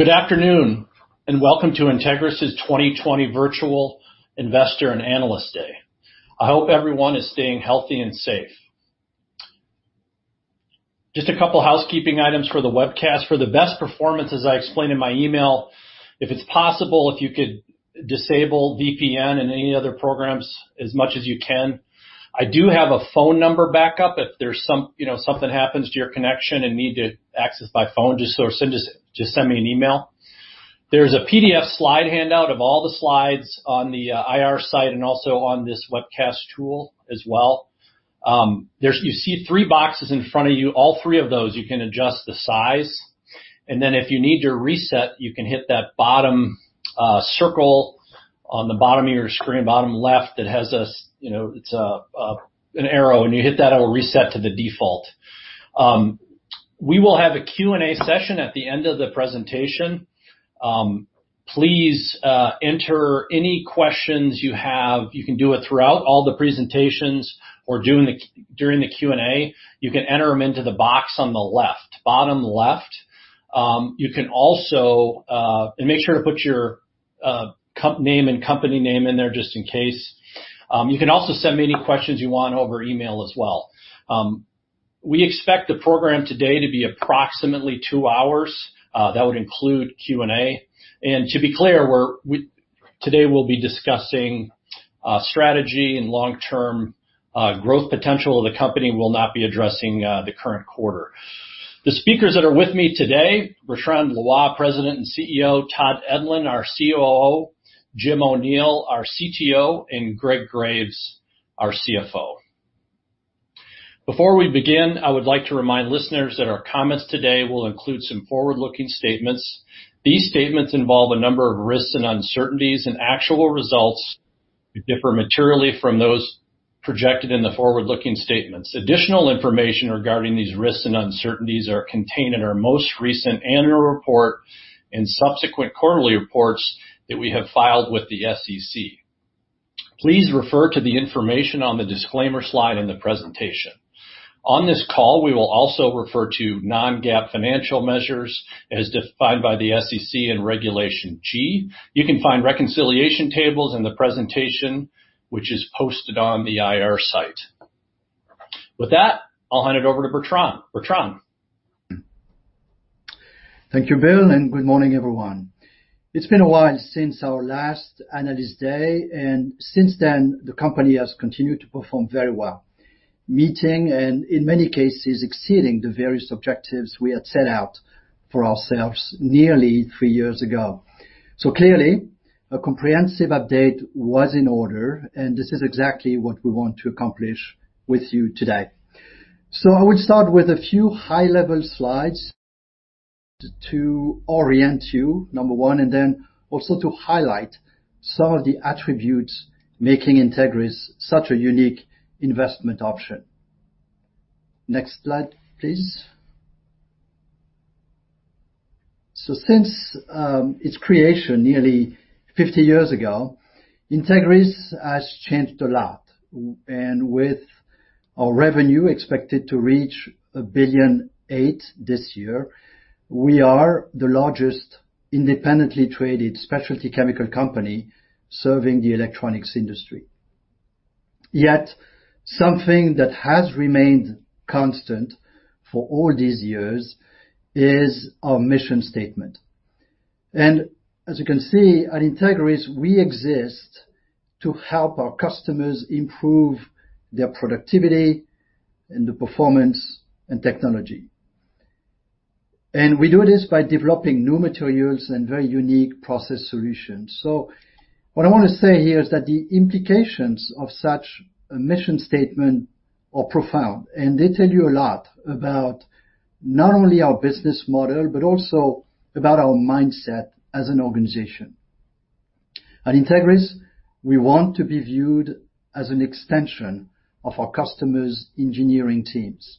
Good afternoon, welcome to Entegris' 2020 Virtual Investor and Analyst Day. I hope everyone is staying healthy and safe. Just a couple of housekeeping items for the webcast. For the best performance, as I explained in my email, if it's possible, if you could disable VPN and any other programs as much as you can. I do have a phone number backup if something happens to your connection and need to access by phone, just send me an email. There's a PDF slide handout of all the slides on the IR site and also on this webcast tool as well. You see three boxes in front of you. All three of those you can adjust the size. Then if you need to reset, you can hit that bottom circle on the bottom of your screen, bottom left, it's an arrow. When you hit that, it will reset to the default. We will have a Q&A session at the end of the presentation. Please enter any questions you have. You can do it throughout all the presentations or during the Q&A. You can enter them into the box on the left, bottom left. Make sure to put your name and company name in there just in case. You can also send me any questions you want over email as well. We expect the program today to be approximately two hours. That would include Q&A. To be clear, today we'll be discussing strategy and long-term growth potential of the company. We'll not be addressing the current quarter. The speakers that are with me today, Bertrand Loy, President and CEO, Todd Edlund, our COO, Jim O'Neill, our CTO, and Greg Graves, our CFO. Before we begin, I would like to remind listeners that our comments today will include some forward-looking statements. These statements involve a number of risks and uncertainties, actual results may differ materially from those projected in the forward-looking statements. Additional information regarding these risks and uncertainties are contained in our most recent annual report and subsequent quarterly reports that we have filed with the SEC. Please refer to the information on the disclaimer slide in the presentation. On this call, we will also refer to non-GAAP financial measures as defined by the SEC and Regulation G. You can find reconciliation tables in the presentation, which is posted on the IR site. With that, I'll hand it over to Bertrand. Bertrand? Thank you, Bill. Good morning, everyone. It's been a while since our last Analyst Day, and since then, the company has continued to perform very well, meeting and in many cases exceeding the various objectives we had set out for ourselves nearly three years ago. Clearly, a comprehensive update was in order, and this is exactly what we want to accomplish with you today. I would start with a few high-level slides to orient you, number one, and then also to highlight some of the attributes making Entegris such a unique investment option. Next slide, please. Since its creation nearly 50 years ago, Entegris has changed a lot. With our revenue expected to reach $1.8 billion this year, we are the largest independently traded specialty chemical company serving the electronics industry. Yet something that has remained constant for all these years is our mission statement. As you can see, at Entegris, we exist to help our customers improve their productivity and the performance and technology. We do this by developing new materials and very unique process solutions. What I want to say here is that the implications of such a mission statement are profound, and they tell you a lot about not only our business model, but also about our mindset as an organization. At Entegris, we want to be viewed as an extension of our customers' engineering teams.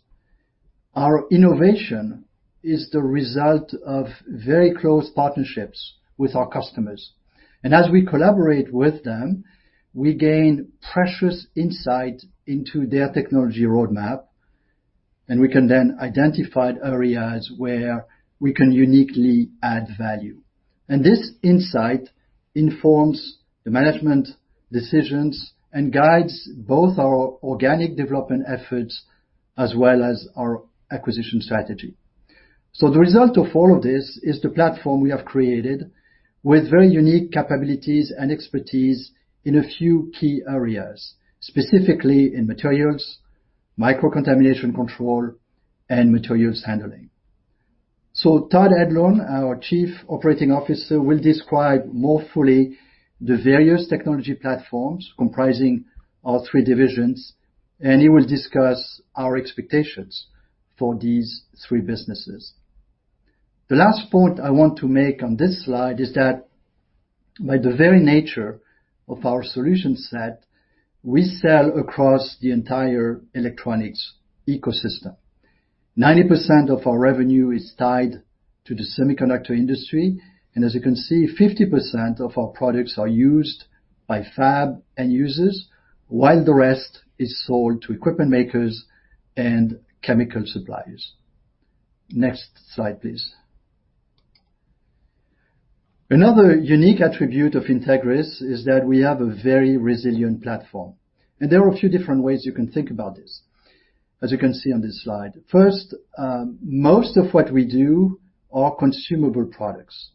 Our innovation is the result of very close partnerships with our customers. As we collaborate with them, we gain precious insight into their technology roadmap, and we can then identify areas where we can uniquely add value. This insight informs the management decisions and guides both our organic development efforts as well as our acquisition strategy. The result of all of this is the platform we have created with very unique capabilities and expertise in a few key areas, specifically in materials, microcontamination control, and materials handling. Todd Edlund, our Chief Operating Officer, will describe more fully the various technology platforms comprising our three divisions, and he will discuss our expectations for these three businesses. The last point I want to make on this slide is that by the very nature of our solution set, we sell across the entire electronics ecosystem. 90% of our revenue is tied to the semiconductor industry, and as you can see, 50% of our products are used by fab end users, while the rest is sold to equipment makers and chemical suppliers. Next slide, please. Another unique attribute of Entegris is that we have a very resilient platform. There are a few different ways you can think about this, as you can see on this slide. First, most of what we do are consumable products,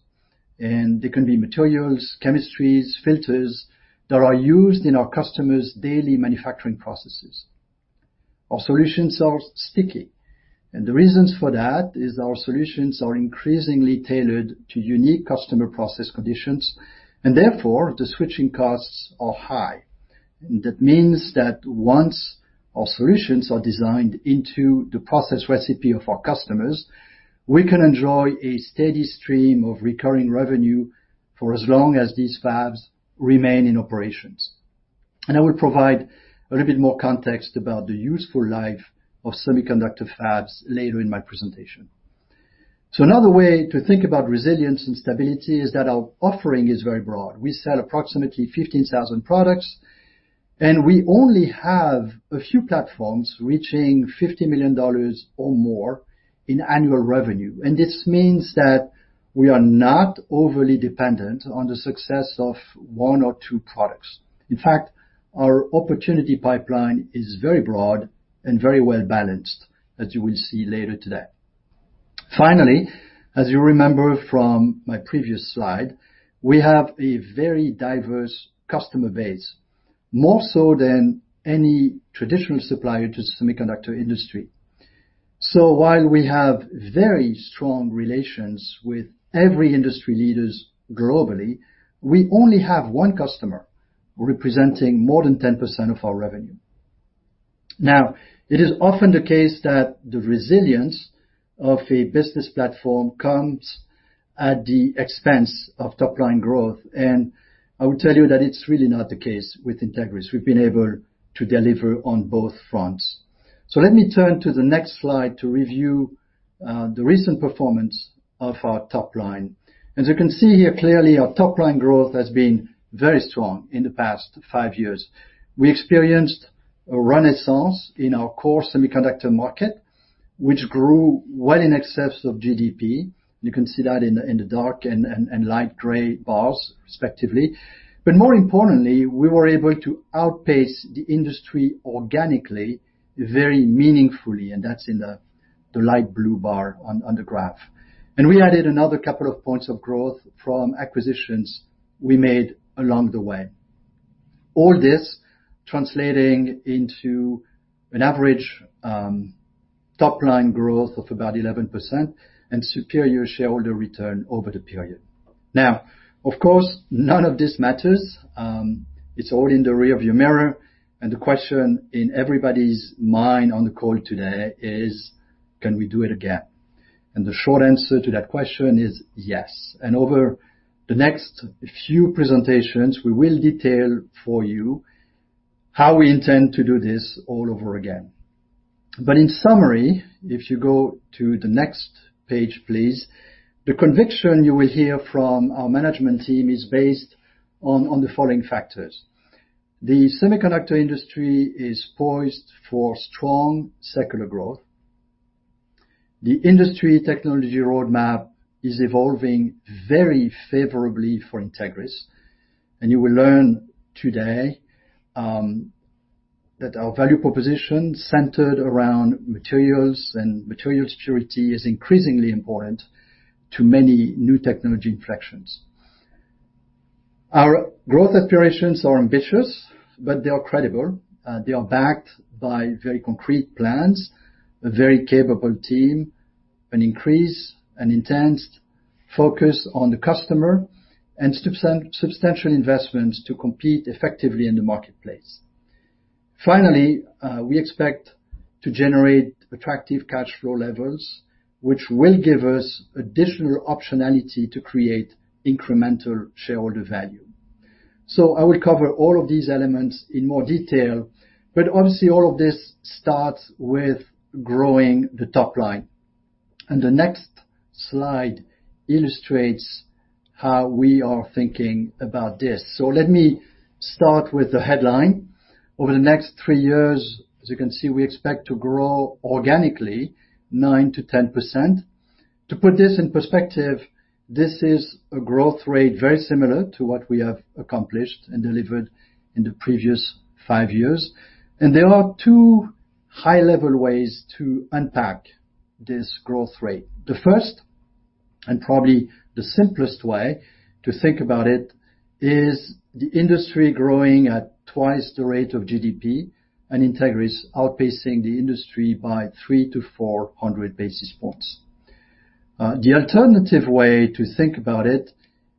and they can be materials, chemistries, filters that are used in our customers' daily manufacturing processes. Our solutions are sticky, and the reasons for that is our solutions are increasingly tailored to unique customer process conditions, and therefore, the switching costs are high. That means that once our solutions are designed into the process recipe of our customers, we can enjoy a steady stream of recurring revenue for as long as these fabs remain in operations. I will provide a little bit more context about the useful life of semiconductor fabs later in my presentation. Another way to think about resilience and stability is that our offering is very broad. We sell approximately 15,000 products, and we only have a few platforms reaching $50 million or more in annual revenue. This means that we are not overly dependent on the success of one or two products. In fact, our opportunity pipeline is very broad and very well-balanced, as you will see later today. Finally, as you remember from my previous slide, we have a very diverse customer base, more so than any traditional supplier to the semiconductor industry. While we have very strong relations with every industry leaders globally, we only have one customer representing more than 10% of our revenue. It is often the case that the resilience of a business platform comes at the expense of top-line growth, and I would tell you that it's really not the case with Entegris. We've been able to deliver on both fronts. Let me turn to the next slide to review the recent performance of our top line. As you can see here clearly, our top-line growth has been very strong in the past five years. We experienced a renaissance in our core semiconductor market, which grew well in excess of GDP. You can see that in the dark and light gray bars, respectively. More importantly, we were able to outpace the industry organically, very meaningfully, and that's in the light blue bar on the graph. We added another couple of points of growth from acquisitions we made along the way. All this translating into an average top-line growth of about 11% and superior shareholder return over the period. Now, of course, none of this matters. It's all in the rear view mirror, and the question in everybody's mind on the call today is, can we do it again? The short answer to that question is yes. Over the next few presentations, we will detail for you how we intend to do this all over again. In summary, if you go to the next page, please, the conviction you will hear from our management team is based on the following factors. The semiconductor industry is poised for strong secular growth. The industry technology roadmap is evolving very favorably for Entegris. You will learn today that our value proposition centered around materials and materials purity is increasingly important to many new technology applications. Our growth aspirations are ambitious, they are credible. They are backed by very concrete plans, a very capable team, an increased and intense focus on the customer, and substantial investments to compete effectively in the marketplace. Finally, we expect to generate attractive cash flow levels, which will give us additional optionality to create incremental shareholder value. I will cover all of these elements in more detail, but obviously all of this starts with growing the top line. The next slide illustrates how we are thinking about this. Let me start with the headline. Over the next three years, as you can see, we expect to grow organically 9%-10%. To put this in perspective, this is a growth rate very similar to what we have accomplished and delivered in the previous five years. There are two high-level ways to unpack this growth rate. The first, and probably the simplest way to think about it, is the industry growing at twice the rate of GDP, and Entegris outpacing the industry by 300-400 basis points. The alternative way to think about it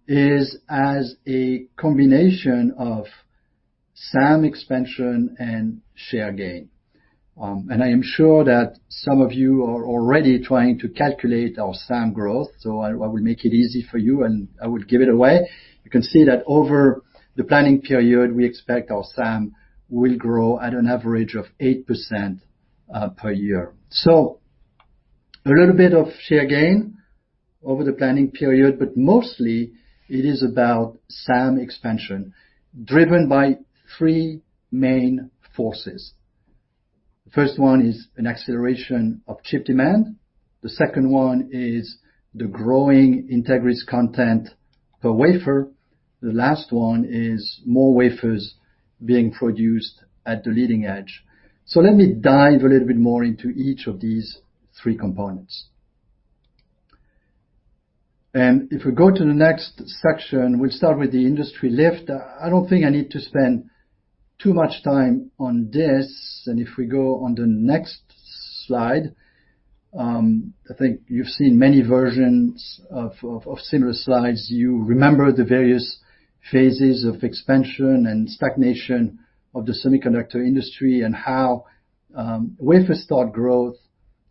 is as a combination of SAM expansion and share gain. I am sure that some of you are already trying to calculate our SAM growth, I will make it easy for you, and I will give it away. You can see that over the planning period, we expect our SAM will grow at an average of 8% per year. A little bit of share gain over the planning period, but mostly it is about SAM expansion, driven by three main forces. First one is an acceleration of chip demand. The second one is the growing Entegris content per wafer. The last one is more wafers being produced at the leading edge. Let me dive a little bit more into each of these three components. If we go to the next section, we'll start with the industry lift. I don't think I need to spend too much time on this. If we go on the next slide, I think you've seen many versions of similar slides. You remember the various phases of expansion and stagnation of the semiconductor industry and how wafer start growth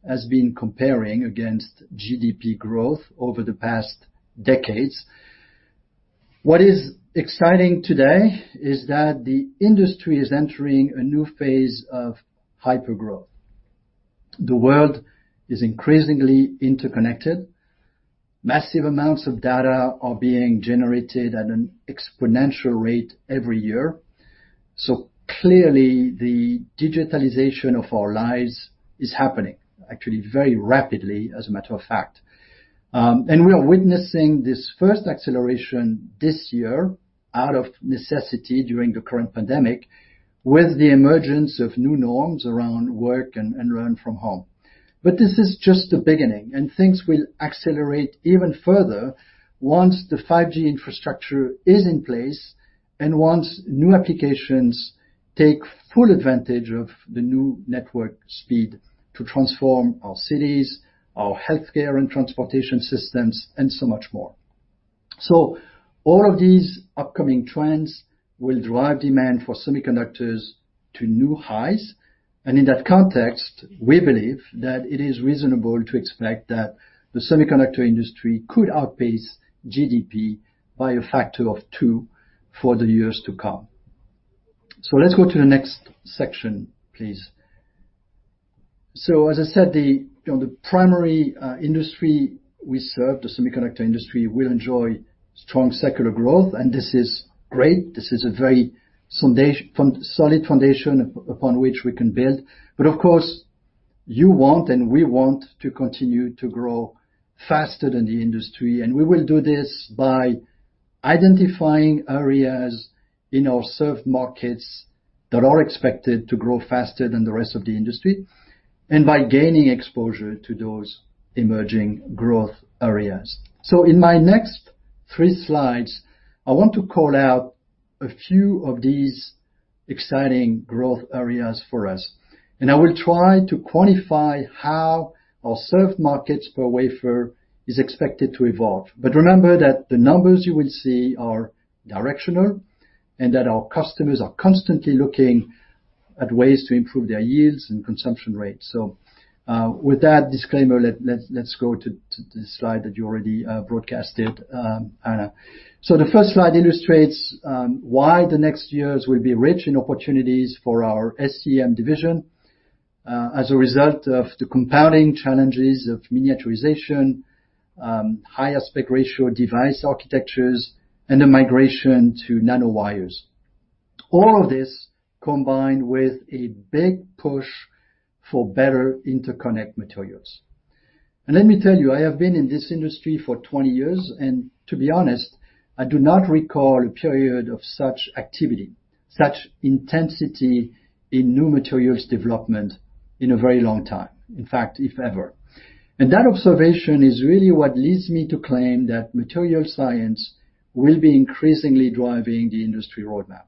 has been comparing against GDP growth over the past decades. What is exciting today is that the industry is entering a new phase of hyper-growth. The world is increasingly interconnected. Massive amounts of data are being generated at an exponential rate every year. Clearly, the digitalization of our lives is happening, actually very rapidly, as a matter of fact. We are witnessing this first acceleration this year out of necessity during the current pandemic, with the emergence of new norms around work and learn from home. This is just the beginning, and things will accelerate even further once the 5G infrastructure is in place and once new applications take full advantage of the new network speed to transform our cities, our healthcare and transportation systems, and so much more. All of these upcoming trends will drive demand for semiconductors to new highs. In that context, we believe that it is reasonable to expect that the semiconductor industry could outpace GDP by a factor of two for the years to come. Let's go to the next section, please. As I said, the primary industry we serve, the semiconductor industry, will enjoy strong secular growth, and this is great. This is a very solid foundation upon which we can build. Of course, you want, and we want to continue to grow faster than the industry. We will do this by identifying areas in our served markets that are expected to grow faster than the rest of the industry, and by gaining exposure to those emerging growth areas. In my next three slides, I want to call out a few of these exciting growth areas for us. I will try to quantify how our served markets per wafer is expected to evolve. Remember that the numbers you will see are directional and that our customers are constantly looking at ways to improve their yields and consumption rates. With that disclaimer, let's go to the slide that you already broadcasted, Anna. The first slide illustrates why the next years will be rich in opportunities for our SCEM division as a result of the compounding challenges of miniaturization, high aspect ratio device architectures, and the migration to nanowires. All of this combined with a big push for better interconnect materials. Let me tell you, I have been in this industry for 20 years, and to be honest, I do not recall a period of such activity, such intensity in new materials development in a very long time, in fact, if ever. That observation is really what leads me to claim that material science will be increasingly driving the industry roadmap.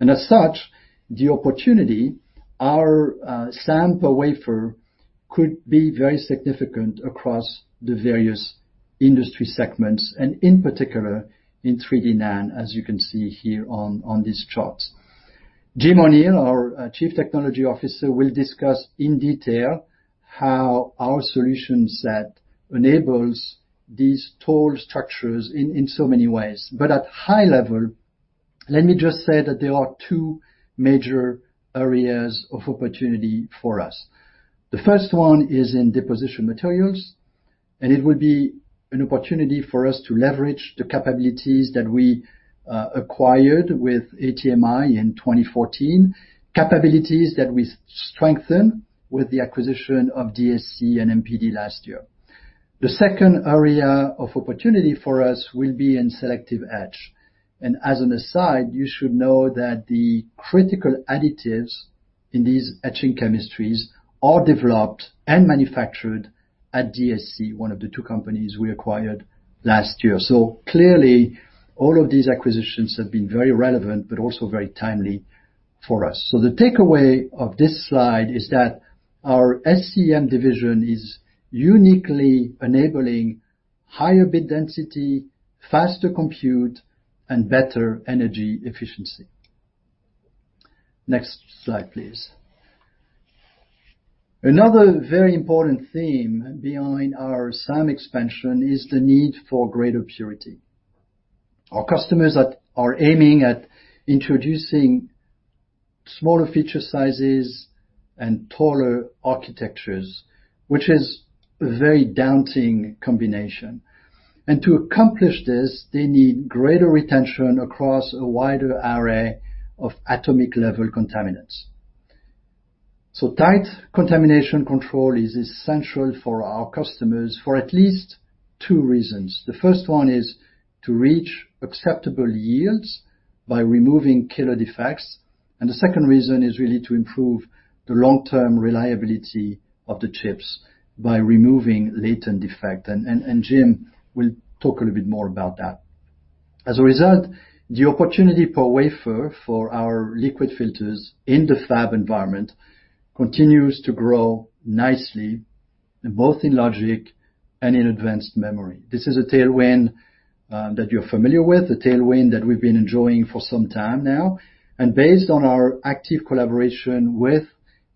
As such, the opportunity, our SAM per wafer could be very significant across the various industry segments, and in particular in 3D NAND, as you can see here on these charts. Jim O'Neill, our Chief Technology Officer, will discuss in detail how our solution set enables these tall structures in so many ways. At a high level, let me just say that there are two major areas of opportunity for us. The first one is in deposition materials, and it will be an opportunity for us to leverage the capabilities that we acquired with ATMI in 2014, capabilities that we strengthened with the acquisition of DSC and MPD last year. The second area of opportunity for us will be in selective etch. As an aside, you should know that the critical additives in these etching chemistries are developed and manufactured at DSC, one of the two companies we acquired last year. Clearly, all of these acquisitions have been very relevant, but also very timely for us. The takeaway of this slide is that our SCEM division is uniquely enabling higher bit density, faster compute, and better energy efficiency. Next slide, please. Another very important theme behind our SAM expansion is the need for greater purity. Our customers are aiming at introducing smaller feature sizes and taller architectures, which is a very daunting combination. To accomplish this, they need greater retention across a wider array of atomic-level contaminants. Tight contamination control is essential for our customers for at least two reasons. The first one is to reach acceptable yields by removing killer defects, and the second reason is really to improve the long-term reliability of the chips by removing latent defect. Jim will talk a little bit more about that. As a result, the opportunity per wafer for our liquid filters in the fab environment continues to grow nicely, both in logic and in advanced memory. This is a tailwind that you're familiar with, a tailwind that we've been enjoying for some time now. Based on our active collaboration with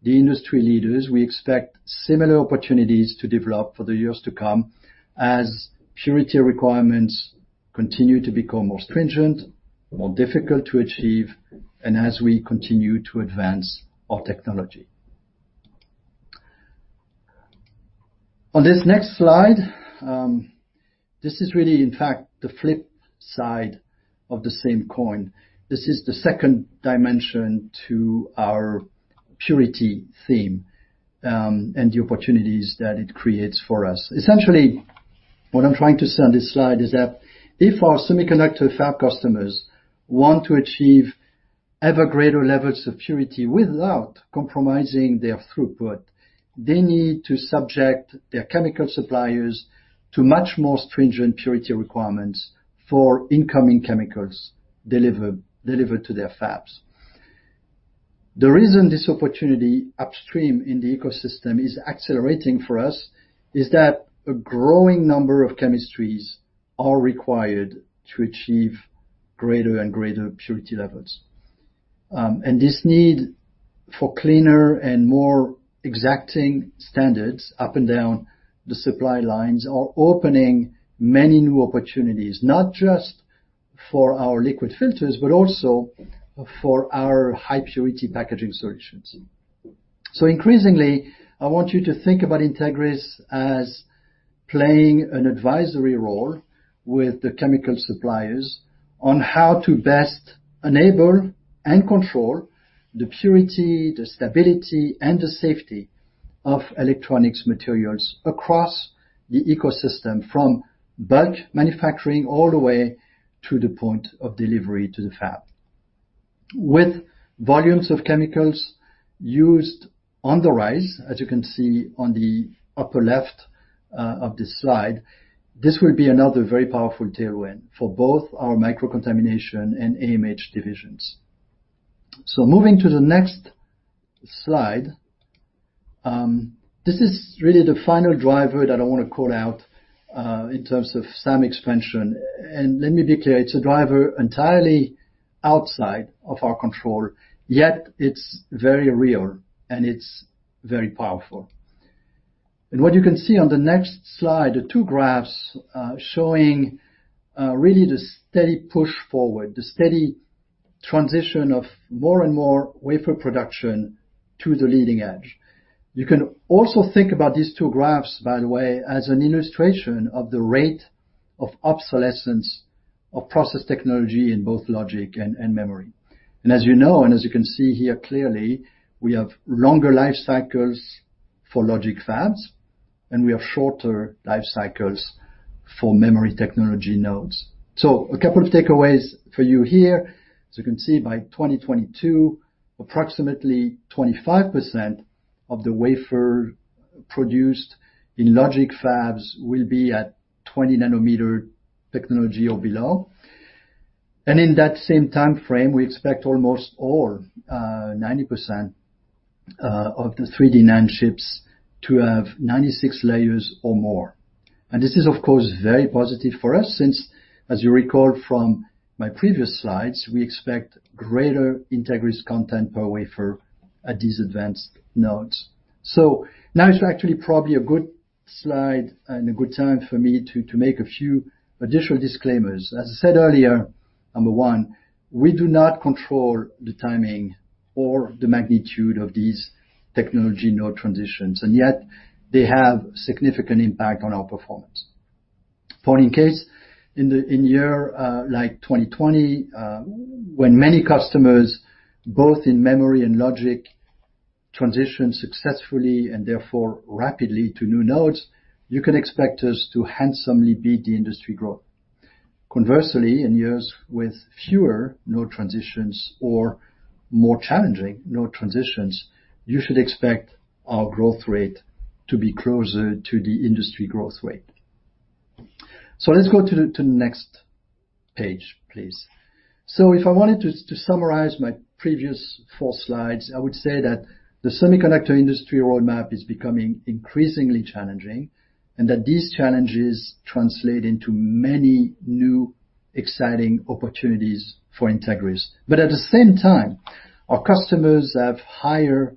the industry leaders, we expect similar opportunities to develop for the years to come as purity requirements continue to become more stringent, more difficult to achieve, and as we continue to advance our technology. On this next slide, this is really, in fact, the flip side of the same coin. This is the second dimension to our purity theme, and the opportunities that it creates for us. Essentially, what I'm trying to say on this slide is that if our semiconductor fab customers want to achieve ever greater levels of purity without compromising their throughput, they need to subject their chemical suppliers to much more stringent purity requirements for incoming chemicals delivered to their fabs. The reason this opportunity upstream in the ecosystem is accelerating for us is that a growing number of chemistries are required to achieve greater and greater purity levels. This need for cleaner and more exacting standards up and down the supply lines are opening many new opportunities, not just for our liquid filters, but also for our high purity packaging solutions. Increasingly, I want you to think about Entegris as playing an advisory role with the chemical suppliers on how to best enable and control the purity, the stability, and the safety of electronics materials across the ecosystem, from bulk manufacturing all the way to the point of delivery to the fab. With volumes of chemicals used on the rise, as you can see on the upper left of this slide, this will be another very powerful tailwind for both our Microcontamination and AMH divisions. Moving to the next slide. This is really the final driver that I want to call out, in terms of SAM expansion. Let me be clear, it's a driver entirely outside of our control, yet it's very real and it's very powerful. What you can see on the next slide, the two graphs, showing really the steady push forward, the steady transition of more and more wafer production to the leading edge. You can also think about these two graphs, by the way, as an illustration of the rate of obsolescence of process technology in both logic and memory. As you know, and as you can see here, clearly, we have longer life cycles for logic fabs, and we have shorter life cycles for memory technology nodes. A couple of takeaways for you here. As you can see, by 2022, approximately 25% of the wafer produced in logic fabs will be at 20 nm technology or below. In that same time frame, we expect almost all, 90% of the 3D NAND chips to have 96 layers or more. This is, of course, very positive for us since, as you recall from my previous slides, we expect greater Entegris content per wafer at these advanced nodes. Now it's actually probably a good slide and a good time for me to make a few additional disclaimers. As I said earlier, number one, we do not control the timing or the magnitude of these technology node transitions, and yet they have significant impact on our performance. Point in case, in year 2020, when many customers, both in memory and logic, transitioned successfully and therefore rapidly to new nodes, you can expect us to handsomely beat the industry growth. Conversely, in years with fewer node transitions or more challenging node transitions, you should expect our growth rate to be closer to the industry growth rate. Let's go to the next page, please. If I wanted to summarize my previous four slides, I would say that the semiconductor industry roadmap is becoming increasingly challenging and that these challenges translate into many new, exciting opportunities for Entegris. At the same time, our customers have higher expectations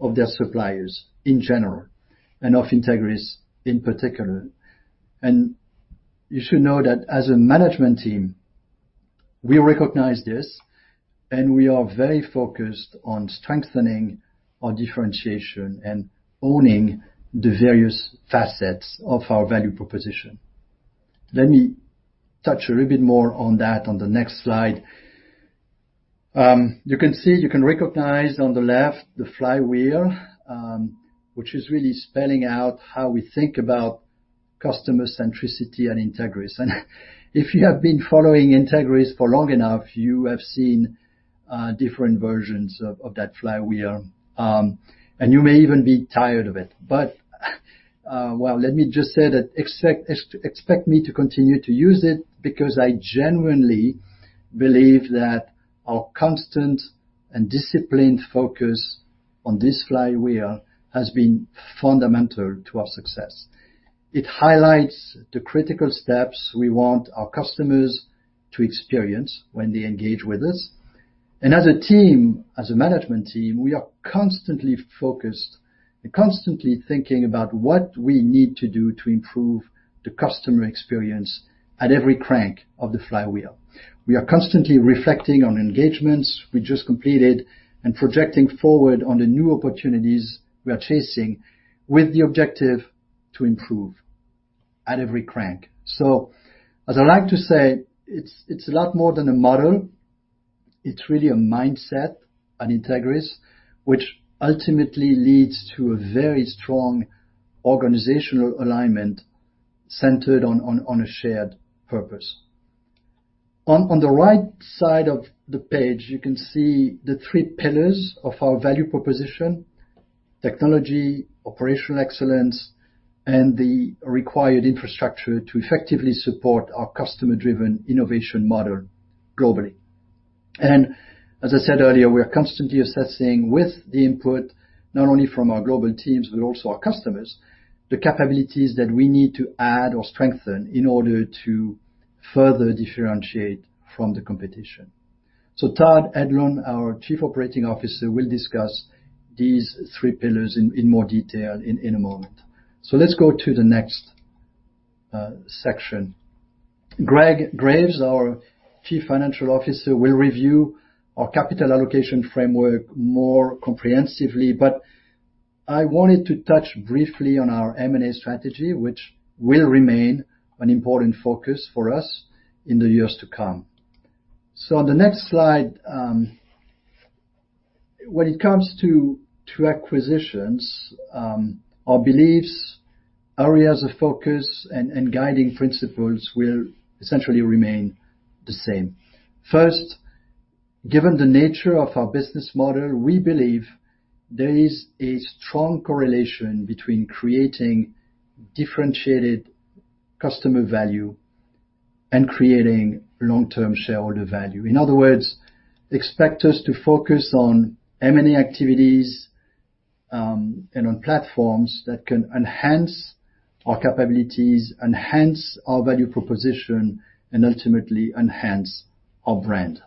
of their suppliers in general, and of Entegris in particular. You should know that as a management team, we recognize this, and we are very focused on strengthening our differentiation and owning the various facets of our value proposition. Let me touch a little bit more on that on the next slide. You can recognize on the left the flywheel, which is really spelling out how we think about customer centricity at Entegris. If you have been following Entegris for long enough, you have seen different versions of that flywheel. You may even be tired of it. Well, let me just say that expect me to continue to use it because I genuinely believe that our constant and disciplined focus on this flywheel has been fundamental to our success. It highlights the critical steps we want our customers to experience when they engage with us. As a team, as a management team, we are constantly focused and constantly thinking about what we need to do to improve the customer experience at every crank of the flywheel. We are constantly reflecting on engagements we just completed and projecting forward on the new opportunities we are chasing with the objective to improve at every crank. As I like to say, it's a lot more than a model. It's really a mindset at Entegris, which ultimately leads to a very strong organizational alignment centered on a shared purpose. On the right side of the page, you can see the three pillars of our value proposition: technology, operational excellence, and the required infrastructure to effectively support our customer-driven innovation model globally. As I said earlier, we are constantly assessing with the input, not only from our global teams, but also our customers, the capabilities that we need to add or strengthen in order to further differentiate from the competition. Todd Edlund, our Chief Operating Officer, will discuss these three pillars in more detail in a moment. Let's go to the next section. Greg Graves, our Chief Financial Officer, will review our capital allocation framework more comprehensively, but I wanted to touch briefly on our M&A strategy, which will remain an important focus for us in the years to come. On the next slide, when it comes to acquisitions, our beliefs, areas of focus, and guiding principles will essentially remain the same. First, given the nature of our business model, we believe there is a strong correlation between creating differentiated customer value and creating long-term shareholder value. In other words, expect us to focus on M&A activities, and on platforms that can enhance our capabilities, enhance our value proposition, and ultimately enhance our brand.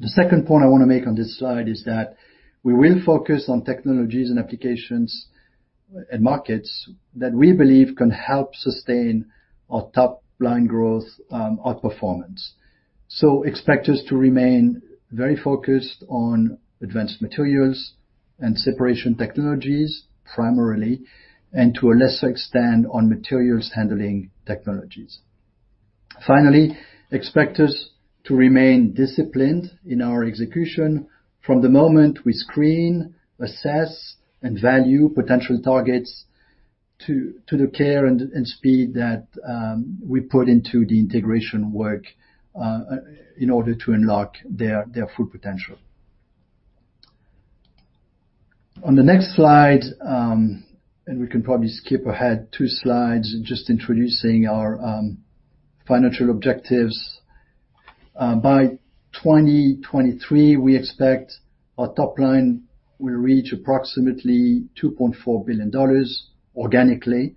The second point I want to make on this slide is that we will focus on technologies and applications and markets that we believe can help sustain our top-line growth, out performance. Expect us to remain very focused on advanced materials and separation technologies primarily, and to a lesser extent, on materials handling technologies. Finally, expect us to remain disciplined in our execution from the moment we screen, assess, and value potential targets to the care and speed that we put into the integration work, in order to unlock their full potential. On the next slide, we can probably skip ahead two slides, just introducing our financial objectives. By 2023, we expect our top line will reach approximately $2.4 billion organically.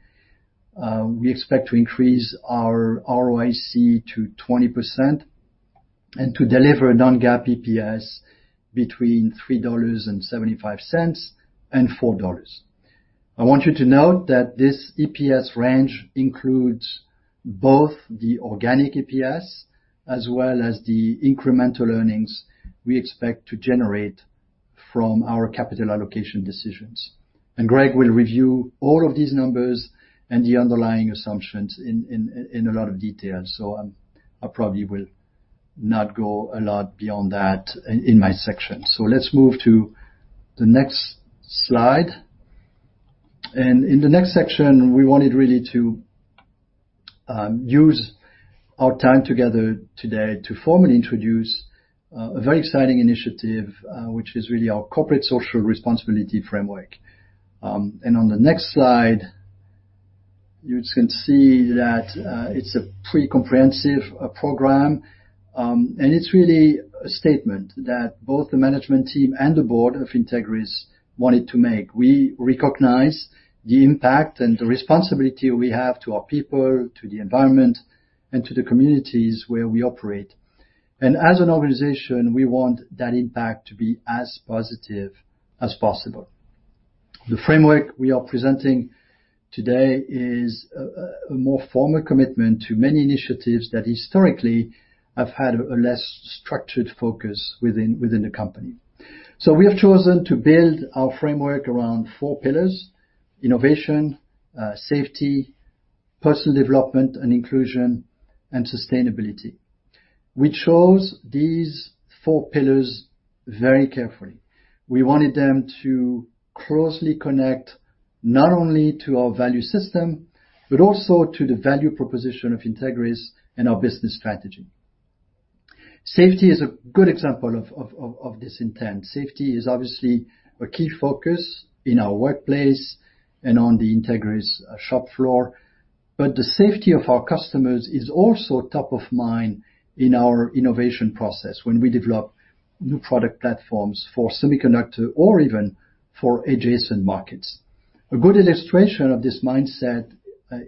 We expect to increase our ROIC to 20% and to deliver a non-GAAP EPS between $3.75 and $4. I want you to note that this EPS range includes both the organic EPS as well as the incremental earnings we expect to generate from our capital allocation decisions. Greg will review all of these numbers and the underlying assumptions in a lot of detail. I probably will not go a lot beyond that in my section. Let's move to the next slide. In the next section, we wanted really to use our time together today to formally introduce a very exciting initiative, which is really our Corporate Social Responsibility framework. On the next slide, you can see that it's a pretty comprehensive program, and it's really a statement that both the management team and the Board of Entegris wanted to make. We recognize the impact and the responsibility we have to our people, to the environment, and to the communities where we operate. As an organization, we want that impact to be as positive as possible. The framework we are presenting today is a more formal commitment to many initiatives that historically have had a less structured focus within the company. We have chosen to build our framework around four pillars: innovation, safety, personal development and inclusion, and sustainability. We chose these four pillars very carefully. We wanted them to closely connect not only to our value system, but also to the value proposition of Entegris and our business strategy. Safety is a good example of this intent. Safety is obviously a key focus in our workplace and on the Entegris shop floor, but the safety of our customers is also top of mind in our innovation process when we develop new product platforms for semiconductor or even for adjacent markets. A good illustration of this mindset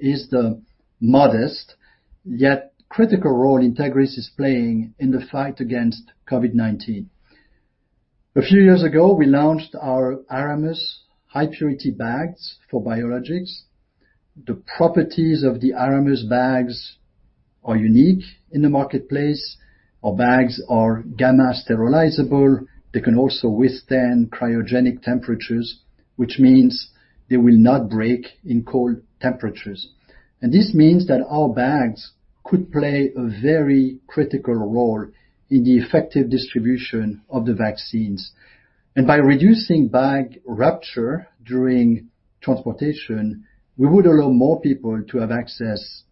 is the modest, yet critical role Entegris is playing in the fight against COVID-19. A few years ago, we launched our Aramus high-purity bags for biologics. The properties of the Aramus bags are unique in the marketplace. Our bags are gamma sterilizable. They can also withstand cryogenic temperatures, which means they will not break in cold temperatures. This means that our bags could play a very critical role in the effective distribution of the vaccines. By reducing bag rupture during transportation, we would allow more people to have access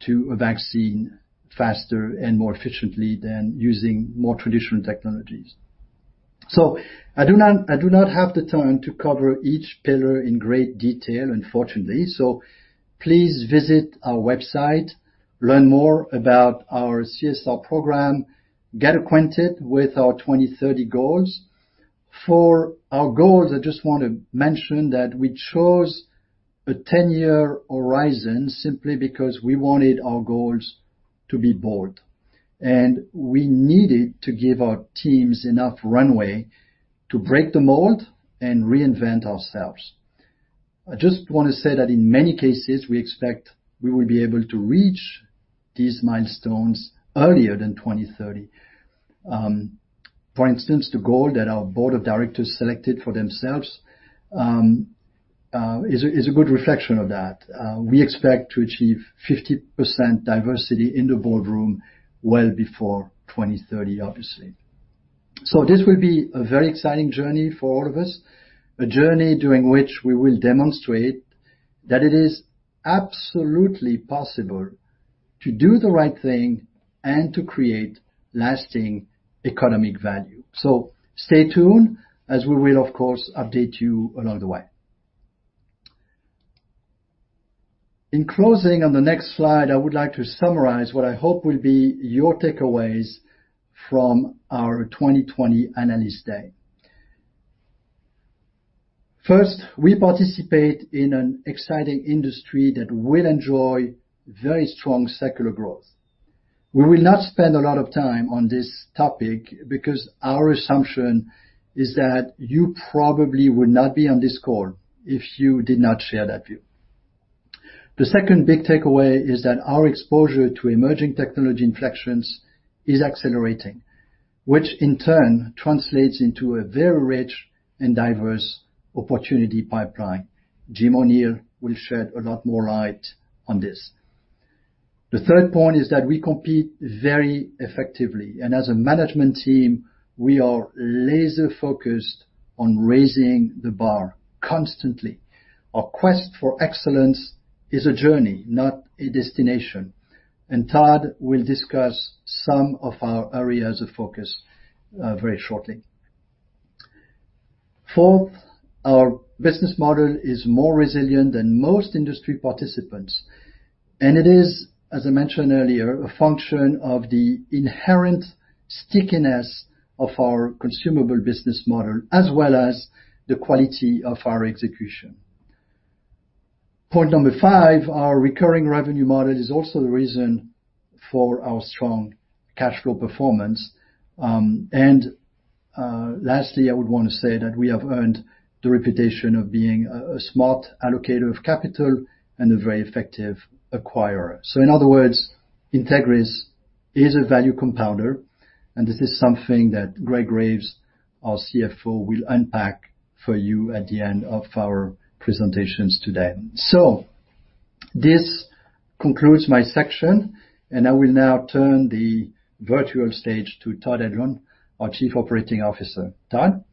to a vaccine faster and more efficiently than using more traditional technologies. I do not have the time to cover each pillar in great detail, unfortunately. Please visit our website, learn more about our CSR program, get acquainted with our 2030 goals. For our goals, I just want to mention that we chose a 10-year horizon simply because we wanted our goals to be bold, and we needed to give our teams enough runway to break the mold and reinvent ourselves. I just want to say that in many cases, we expect we will be able to reach these milestones earlier than 2030. For instance, the goal that our Board of Directors selected for themselves is a good reflection of that. We expect to achieve 50% diversity in the boardroom well before 2030, obviously. This will be a very exciting journey for all of us, a journey during which we will demonstrate that it is absolutely possible to do the right thing and to create lasting economic value. Stay tuned as we will, of course, update you along the way. In closing, on the next slide, I would like to summarize what I hope will be your takeaways from our 2020 Analyst Day. First, we participate in an exciting industry that will enjoy very strong secular growth. We will not spend a lot of time on this topic because our assumption is that you probably would not be on this call if you did not share that view. The second big takeaway is that our exposure to emerging technology inflections is accelerating, which in turn translates into a very rich and diverse opportunity pipeline. Jim O'Neill will shed a lot more light on this. The third point is that we compete very effectively. As a management team, we are laser-focused on raising the bar constantly. Our quest for excellence is a journey, not a destination. Todd will discuss some of our areas of focus very shortly. Fourth, our business model is more resilient than most industry participants. It is, as I mentioned earlier, a function of the inherent stickiness of our consumable business model, as well as the quality of our execution. Point number five, our recurring revenue model is also the reason for our strong cash flow performance. Lastly, I would want to say that we have earned the reputation of being a smart allocator of capital and a very effective acquirer. So in other words, Entegris is a value compounder, and this is something that Greg Graves, our CFO, will unpack for you at the end of our presentations today. So this concludes my section, and I will now turn the virtual stage to Todd Edlund, our Chief Operating Officer. Todd?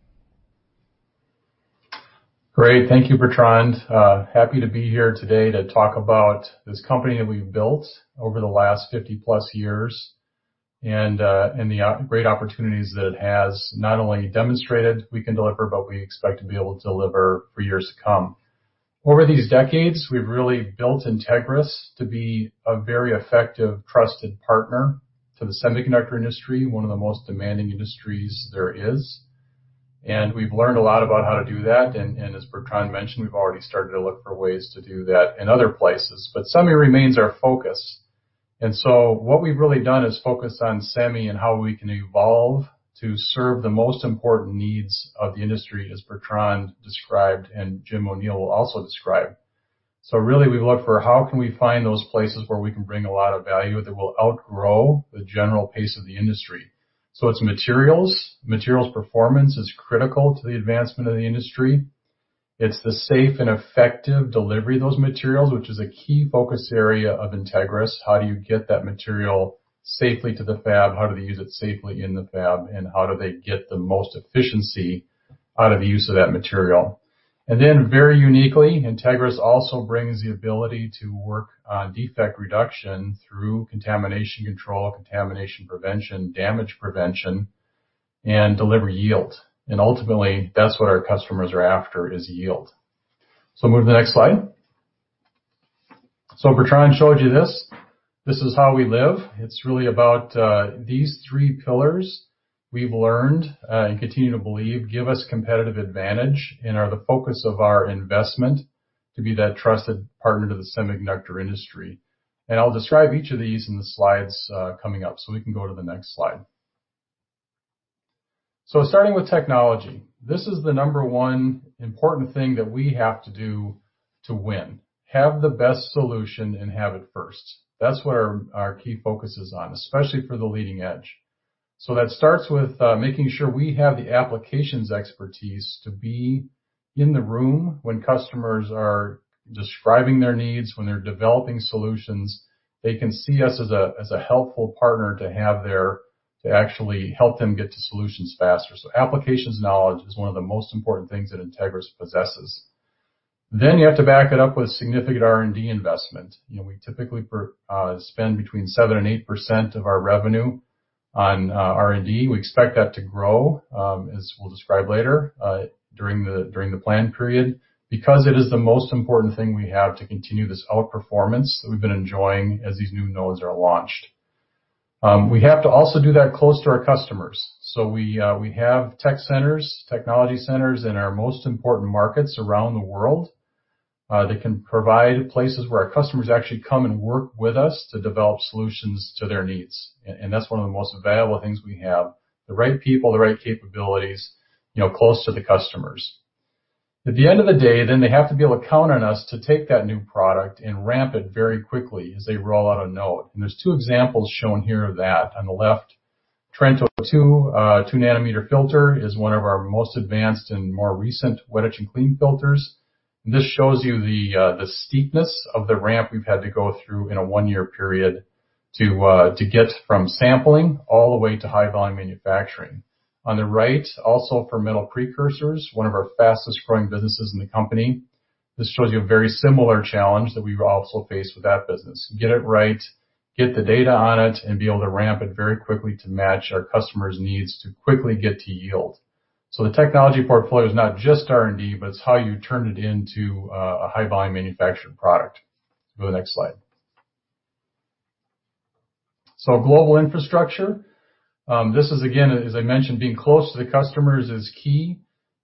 Great. Thank you, Bertrand. Happy to be here today to talk about this company that we've built over the last 50+years and the great opportunities that it has not only demonstrated we can deliver, but we expect to be able to deliver for years to come. Over these decades, we've really built Entegris to be a very effective, trusted partner to the semiconductor industry, one of the most demanding industries there is. We've learned a lot about how to do that, and as Bertrand mentioned, we've already started to look for ways to do that in other places. Semi remains our focus. What we've really done is focus on semi and how we can evolve to serve the most important needs of the industry, as Bertrand described, and Jim O'Neill will also describe. Really, we look for how can we find those places where we can bring a lot of value that will outgrow the general pace of the industry. It's materials. Materials performance is critical to the advancement of the industry. It's the safe and effective delivery of those materials, which is a key focus area of Entegris. How do you get that material safely to the fab? How do they use it safely in the fab, and how do they get the most efficiency out of the use of that material? Then very uniquely, Entegris also brings the ability to work on defect reduction through contamination control, contamination prevention, damage prevention, and deliver yield. Ultimately, that's what our customers are after, is yield. Move to the next slide. Bertrand showed you this. This is how we live. It's really about these three pillars we've learned, and continue to believe, give us competitive advantage and are the focus of our investment to be that trusted partner to the semiconductor industry. I'll describe each of these in the slides coming up. We can go to the next slide. Starting with Technology. This is the number one important thing that we have to do to win, have the best solution and have it first. That's what our key focus is on, especially for the leading edge. That starts with making sure we have the applications expertise to be in the room when customers are describing their needs, when they're developing solutions. They can see us as a helpful partner to have there to actually help them get to solutions faster. Applications knowledge is one of the most important things that Entegris possesses. You have to back it up with significant R&D investment. We typically spend between 7% and 8% of our revenue on R&D. We expect that to grow, as we'll describe later, during the plan period because it is the most important thing we have to continue this outperformance that we've been enjoying as these new nodes are launched. We have to also do that close to our customers. We have tech centers, technology centers in our most important markets around the world, that can provide places where our customers actually come and work with us to develop solutions to their needs. That's one of the most valuable things we have. The right people, the right capabilities close to the customers. At the end of the day, they have to be able to count on us to take that new product and ramp it very quickly as they roll out a node. There's two examples shown here of that. On the left, Torrento II, a 2 nm filter, is one of our most advanced and more recent wet etch and clean filters. This shows you the steepness of the ramp we've had to go through in a one-year period to get from sampling all the way to high-volume manufacturing. On the right, also for metal precursors, one of our fastest growing businesses in the company. This shows you a very similar challenge that we also face with that business. Get it right, get the data on it, and be able to ramp it very quickly to match our customers' needs to quickly get to yield. The technology portfolio is not just R&D, but it's how you turn it into a high-volume manufactured product. Go to the next slide. Global infrastructure. This is, again, as I mentioned, being close to the customers is key.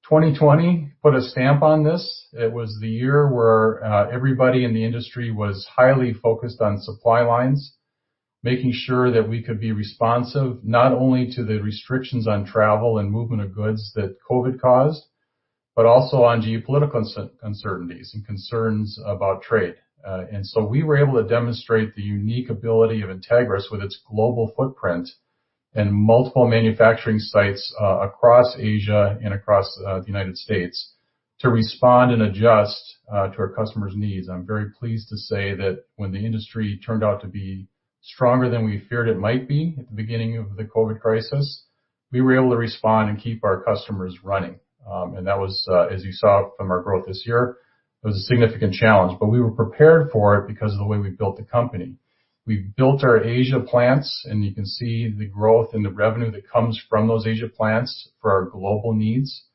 2020 put a stamp on this. It was the year where everybody in the industry was highly focused on supply lines, making sure that we could be responsive, not only to the restrictions on travel and movement of goods that COVID caused, but also on geopolitical uncertainties and concerns about trade. We were able to demonstrate the unique ability of Entegris with its global footprint and multiple manufacturing sites across Asia and across the United States to respond and adjust to our customers' needs. I'm very pleased to say that when the industry turned out to be stronger than we feared it might be at the beginning of the COVID crisis, we were able to respond and keep our customers running. That was, as you saw from our growth this year, it was a significant challenge. We were prepared for it because of the way we built the company. We built our Asia plants, and you can see the growth and the revenue that comes from those Asia plants for our global needs,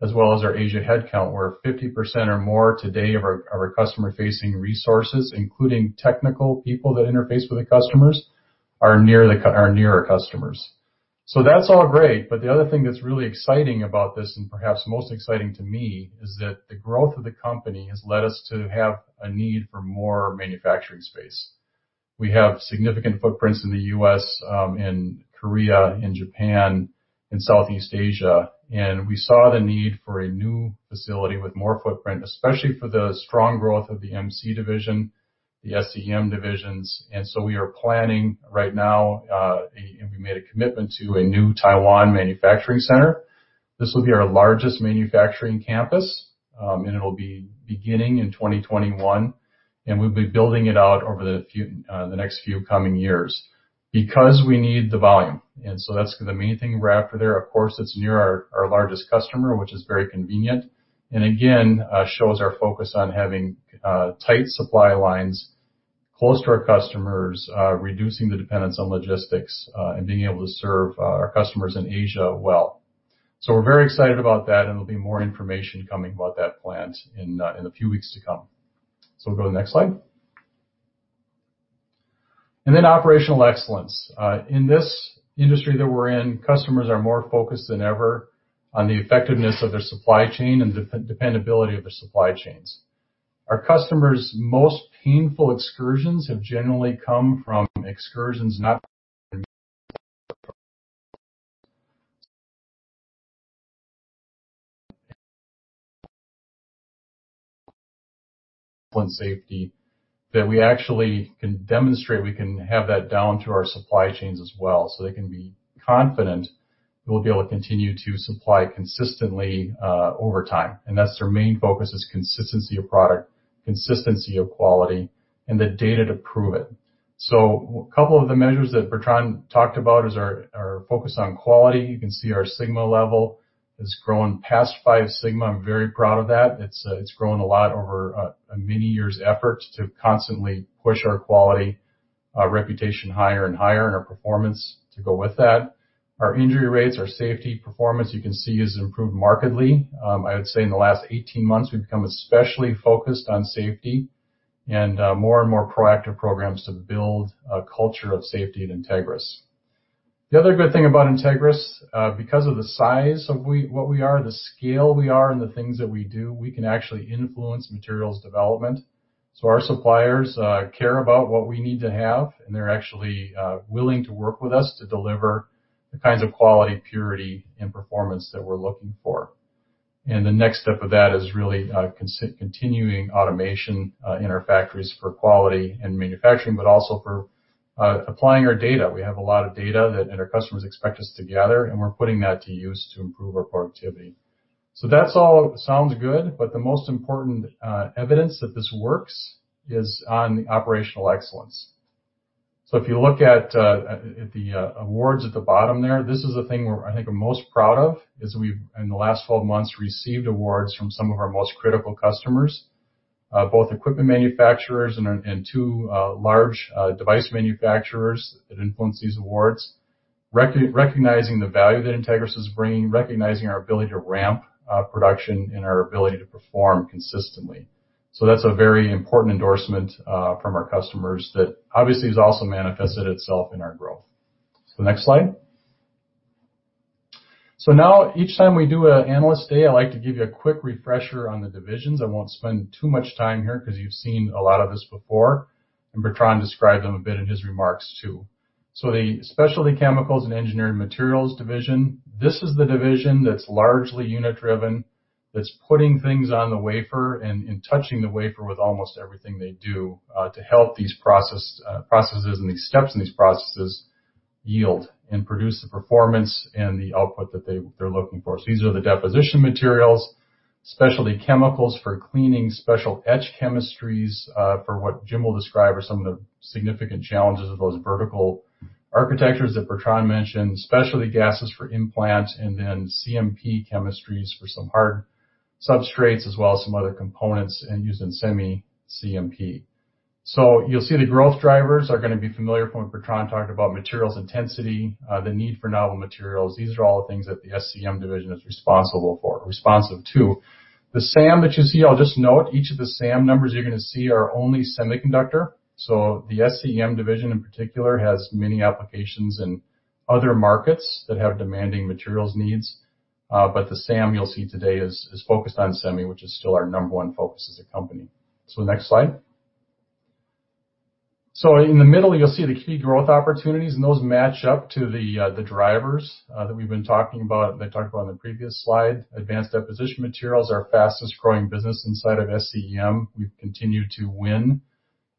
as well as our Asia head count, where 50% or more today of our customer facing resources, including technical people that interface with the customers, are near our customers. That's all great, but the other thing that's really exciting about this, and perhaps most exciting to me, is that the growth of the company has led us to have a need for more manufacturing space. We have significant footprints in the U.S., in Korea, in Japan, in Southeast Asia, and we saw the need for a new facility with more footprint, especially for the strong growth of the MC division, the SCEM divisions, and so we are planning right now, and we made a commitment to a new Taiwan manufacturing center. This will be our largest manufacturing campus, and it'll be beginning in 2021. We'll be building it out over the next few coming years because we need the volume. That's the main thing we're after there. Of course, it's near our largest customer, which is very convenient. Again, shows our focus on having tight supply lines close to our customers, reducing the dependence on logistics, and being able to serve our customers in Asia well. We're very excited about that, and there'll be more information coming about that plant in a few weeks to come. We'll go to the next slide. Then operational excellence. In this industry that we're in, customers are more focused than ever on the effectiveness of their supply chain and the dependability of their supply chains. Our customers' most painful excursions have generally come from excursions not safety that we actually can demonstrate we can have that down to our supply chains as well, so they can be confident we'll be able to continue to supply consistently over time. That's their main focus is consistency of product, consistency of quality, and the data to prove it. A couple of the measures that Bertrand talked about is our focus on quality. You can see our sigma level has grown past 5 sigma. I'm very proud of that. It's grown a lot over many years' efforts to constantly push our quality reputation higher and higher and our performance to go with that. Our injury rates, our safety performance, you can see, has improved markedly. I would say in the last 18 months, we've become especially focused on safety and more and more proactive programs to build a culture of safety at Entegris. The other good thing about Entegris, because of the size of what we are, the scale we are, and the things that we do, we can actually influence materials development. Our suppliers care about what we need to have, and they're actually willing to work with us to deliver the kinds of quality, purity, and performance that we're looking for. The next step of that is really continuing automation in our factories for quality and manufacturing, but also for applying our data. We have a lot of data that our customers expect us to gather, and we're putting that to use to improve our productivity. That all sounds good, but the most important evidence that this works is on the operational excellence. If you look at the awards at the bottom there, this is the thing where I think I'm most proud of, is we've, in the last 12 months, received awards from some of our most critical customers, both equipment manufacturers and two large device manufacturers that influence these awards. Recognizing the value that Entegris is bringing, recognizing our ability to ramp production, and our ability to perform consistently. That's a very important endorsement from our customers that obviously has also manifested itself in our growth. The next slide. Now each time we do an Analyst Day, I like to give you a quick refresher on the divisions. I won't spend too much time here because you've seen a lot of this before, and Bertrand described them a bit in his remarks, too. The Specialty Chemicals and Engineered Materials division, this is the division that's largely unit driven, that's putting things on the wafer and touching the wafer with almost everything they do to help these processes and these steps in these processes yield and produce the performance and the output that they're looking for. These are the deposition materials, specialty chemicals for cleaning, special etch chemistries for what Jim will describe are some of the significant challenges of those vertical architectures that Bertrand mentioned, specialty gases for implants, and then CMP chemistries for some hard substrates as well as some other components and used in semi CMP. You'll see the growth drivers are going to be familiar from when Bertrand talked about materials intensity, the need for novel materials. These are all the things that the SCEM division is responsible for, responsive to. The SAM that you see, I'll just note, each of the SAM numbers you're going to see are only semiconductor. The SCEM division in particular has many applications in other markets that have demanding materials needs. The SAM you'll see today is focused on semi, which is still our number one focus as a company. The next slide. In the middle, you'll see the key growth opportunities, and those match up to the drivers that we've been talking about, that I talked about on the previous slide. Advanced deposition materials, our fastest growing business inside of SCEM. We've continued to win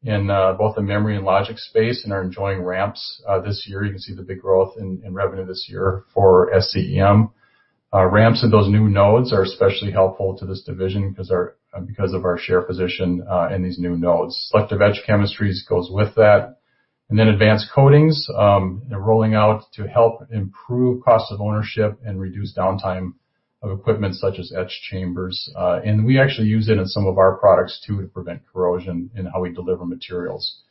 in both the memory and logic space and are enjoying ramps this year. You can see the big growth in revenue this year for SCEM. Ramps in those new nodes are especially helpful to this division because of our share position in these new nodes. selective etch chemistries goes with that. Advanced coatings, rolling out to help improve cost of ownership and reduce downtime of equipment such as etch chambers. We actually use it in some of our products, too, to prevent corrosion in how we deliver materials.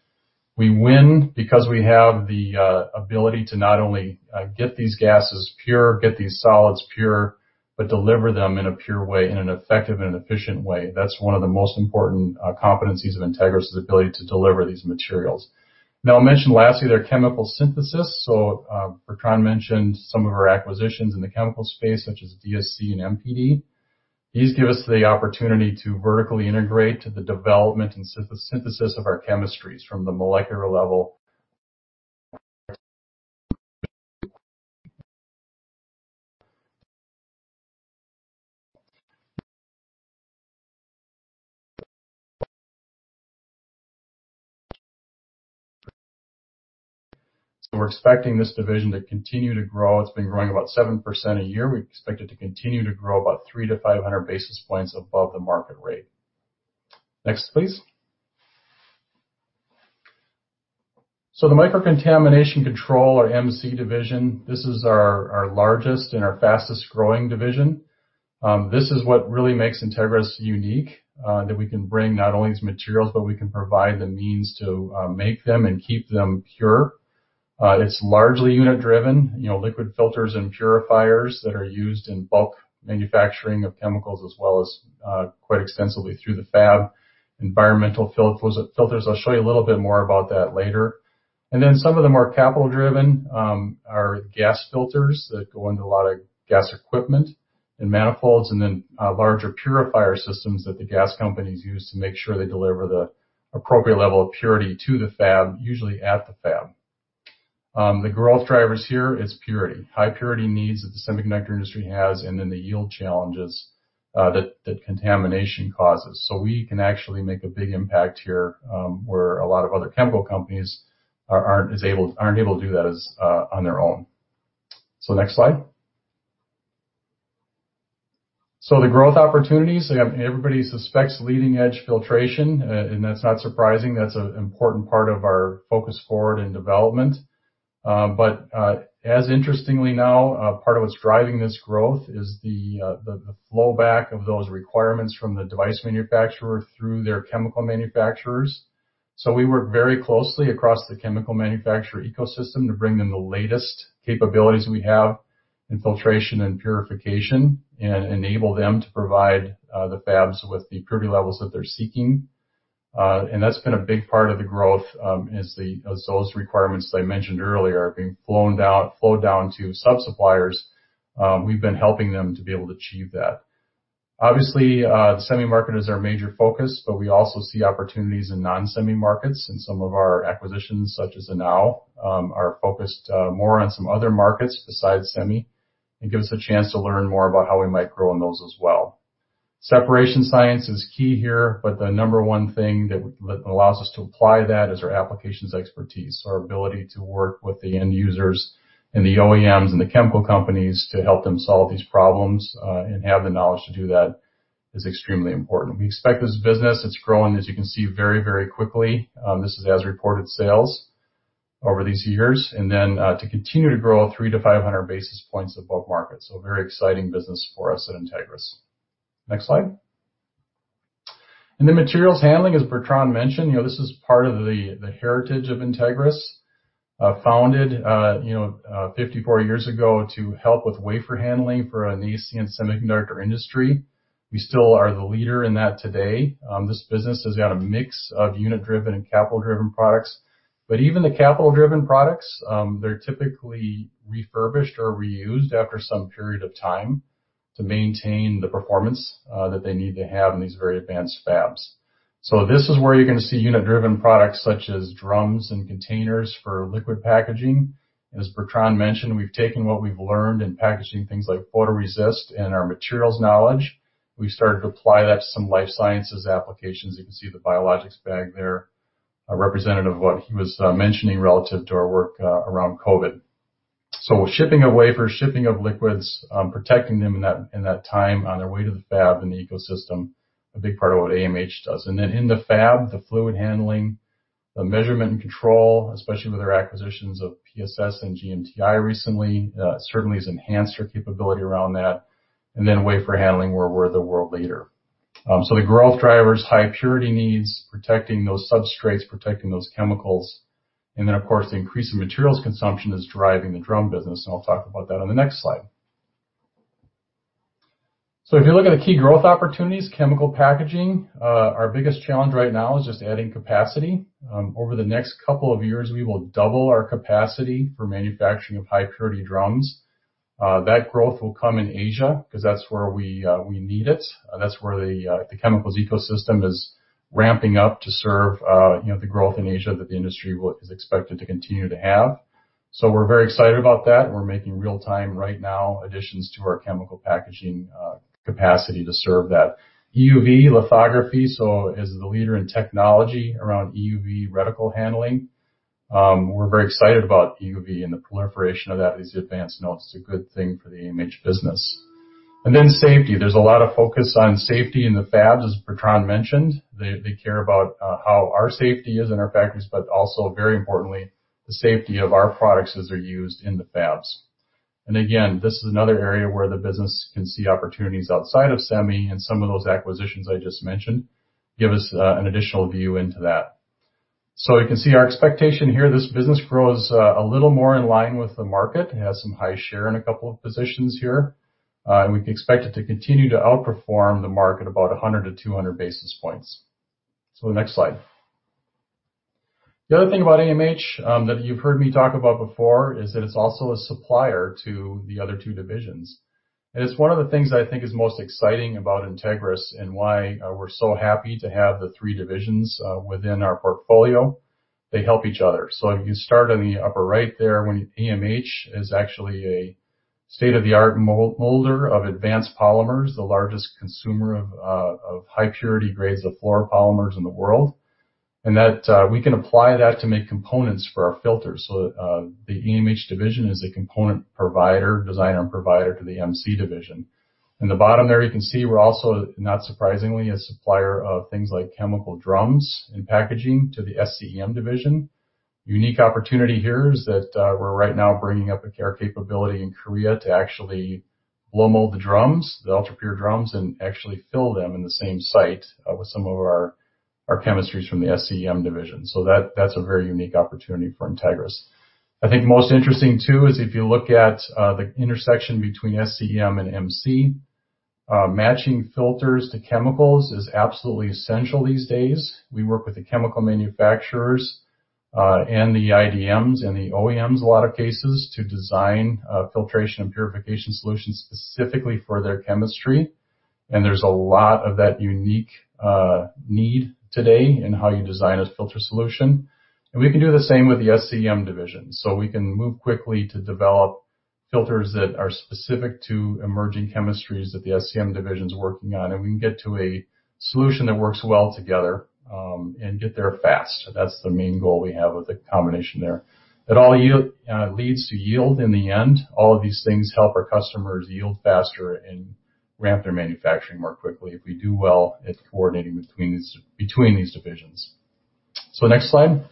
We win because we have the ability to not only get these gases pure, get these solids pure, but deliver them in a pure way, in an effective and efficient way. That's one of the most important competencies of Entegris, is the ability to deliver these materials. I'll mention lastly their chemical synthesis. Bertrand mentioned some of our acquisitions in the chemical space, such as DSC and MPD. These give us the opportunity to vertically integrate the development and synthesis of our chemistries from the molecular level. We're expecting this division to continue to grow. It's been growing about 7% a year. We expect it to continue to grow about 300-500 basis points above the market rate. Next, please. The Microcontamination Control or MC division, this is our largest and our fastest growing division. This is what really makes Entegris unique, that we can bring not only these materials, but we can provide the means to make them and keep them pure. It's largely unit driven, liquid filters and purifiers that are used in bulk manufacturing of chemicals as well as quite extensively through the fab. Environmental filters, I'll show you a little bit more about that later. Some of them are capital-driven, are gas filters that go into a lot of gas equipment and manifolds, and then larger purifier systems that the gas companies use to make sure they deliver the appropriate level of purity to the fab, usually at the fab. The growth drivers here is purity. High purity needs that the semiconductor industry has, and then the yield challenges that contamination causes. We can actually make a big impact here, where a lot of other chemical companies aren't able to do that on their own. Next slide. The growth opportunities, everybody suspects leading edge filtration, and that's not surprising. That's an important part of our focus forward in development. As interestingly now, part of what's driving this growth is the flowback of those requirements from the device manufacturer through their chemical manufacturers. We work very closely across the chemical manufacturer ecosystem to bring them the latest capabilities we have in filtration and purification, and enable them to provide the fabs with the purity levels that they're seeking. That's been a big part of the growth, as those requirements that I mentioned earlier are being flowed down to sub-suppliers. We've been helping them to be able to achieve that. Obviously, the semi market is our major focus, but we also see opportunities in non-semi markets. In some of our acquisitions, such as Anow, are focused more on some other markets besides semi and give us a chance to learn more about how we might grow in those as well. Separation science is key here, but the number one thing that allows us to apply that is our applications expertise. Our ability to work with the end users and the OEMs and the chemical companies to help them solve these problems, and have the knowledge to do that is extremely important. We expect this business, it's growing, as you can see, very quickly. This is as reported sales over these years. To continue to grow 300-500 basis points above market. A very exciting business for us at Entegris. Next slide. In the materials handling, as Bertrand mentioned, this is part of the heritage of Entegris. Founded 54 years ago to help with wafer handling for a niche in semiconductor industry. We still are the leader in that today. This business has got a mix of unit-driven and capital-driven products. Even the capital-driven products, they're typically refurbished or reused after some period of time to maintain the performance that they need to have in these very advanced fabs. This is where you're going to see unit-driven products such as drums and containers for liquid packaging. As Bertrand mentioned, we've taken what we've learned in packaging things like photoresist and our materials knowledge. We started to apply that to some life sciences applications. You can see the biologics bag there, representative of what he was mentioning relative to our work around COVID. Shipping of wafers, shipping of liquids, protecting them in that time on their way to the fab in the ecosystem, a big part of what AMH does. In the fab, the fluid handling, the measurement and control, especially with our acquisitions of PSS and GMTI recently, certainly has enhanced our capability around that. Wafer handling, where we're the world leader. The growth drivers, high purity needs, protecting those substrates, protecting those chemicals. Then, of course, the increase in materials consumption is driving the drum business, and I'll talk about that on the next slide. If you look at the key growth opportunities, chemical packaging, our biggest challenge right now is just adding capacity. Over the next couple of years, we will double our capacity for manufacturing of high purity drums. That growth will come in Asia because that's where we need it. That's where the chemicals ecosystem is ramping up to serve the growth in Asia that the industry is expected to continue to have. We're very excited about that, and we're making real-time, right now, additions to our chemical packaging capacity to serve that. EUV lithography, as the leader in technology around EUV reticle handling. We're very excited about EUV and the proliferation of that as the advance notes, a good thing for the AMH business. Safety. There's a lot of focus on safety in the fabs, as Bertrand mentioned. They care about how our safety is in our factories, but also very importantly, the safety of our products as they're used in the fabs. Again, this is another area where the business can see opportunities outside of semi, and some of those acquisitions I just mentioned give us an additional view into that. You can see our expectation here, this business grows a little more in line with the market. It has some high share in a couple of positions here. We expect it to continue to outperform the market about 100-200 basis points. The next slide. The other thing about AMH that you've heard me talk about before is that it's also a supplier to the other two divisions. It's one of the things that I think is most exciting about Entegris and why we're so happy to have the three divisions within our portfolio. They help each other. If you start on the upper right there, when AMH is actually a state-of-the-art molder of advanced polymers, the largest consumer of high purity grades of fluoropolymers in the world. That we can apply that to make components for our filters. The AMH division is a component provider, design and provider to the MC division. In the bottom there, you can see we're also, not surprisingly, a supplier of things like chemical drums and packaging to the SCEM division. Unique opportunity here is that we're right now bringing up our capability in Korea to actually blow-mold the drums, the FluoroPure drums, and actually fill them in the same site with some of our chemistries from the SCEM division. That's a very unique opportunity for Entegris. I think most interesting too is if you look at the intersection between SCEM and MC. Matching filters to chemicals is absolutely essential these days. We work with the chemical manufacturers, and the IDMs, and the OEMs, a lot of cases, to design filtration and purification solutions specifically for their chemistry. There's a lot of that unique need today in how you design a filter solution. We can do the same with the SCEM division. We can move quickly to develop filters that are specific to emerging chemistries that the SCEM division is working on, and we can get to a solution that works well together, and get there fast. That's the main goal we have with the combination there. It all leads to yield in the end. All of these things help our customers yield faster and ramp their manufacturing more quickly if we do well at coordinating between these divisions. Next slide.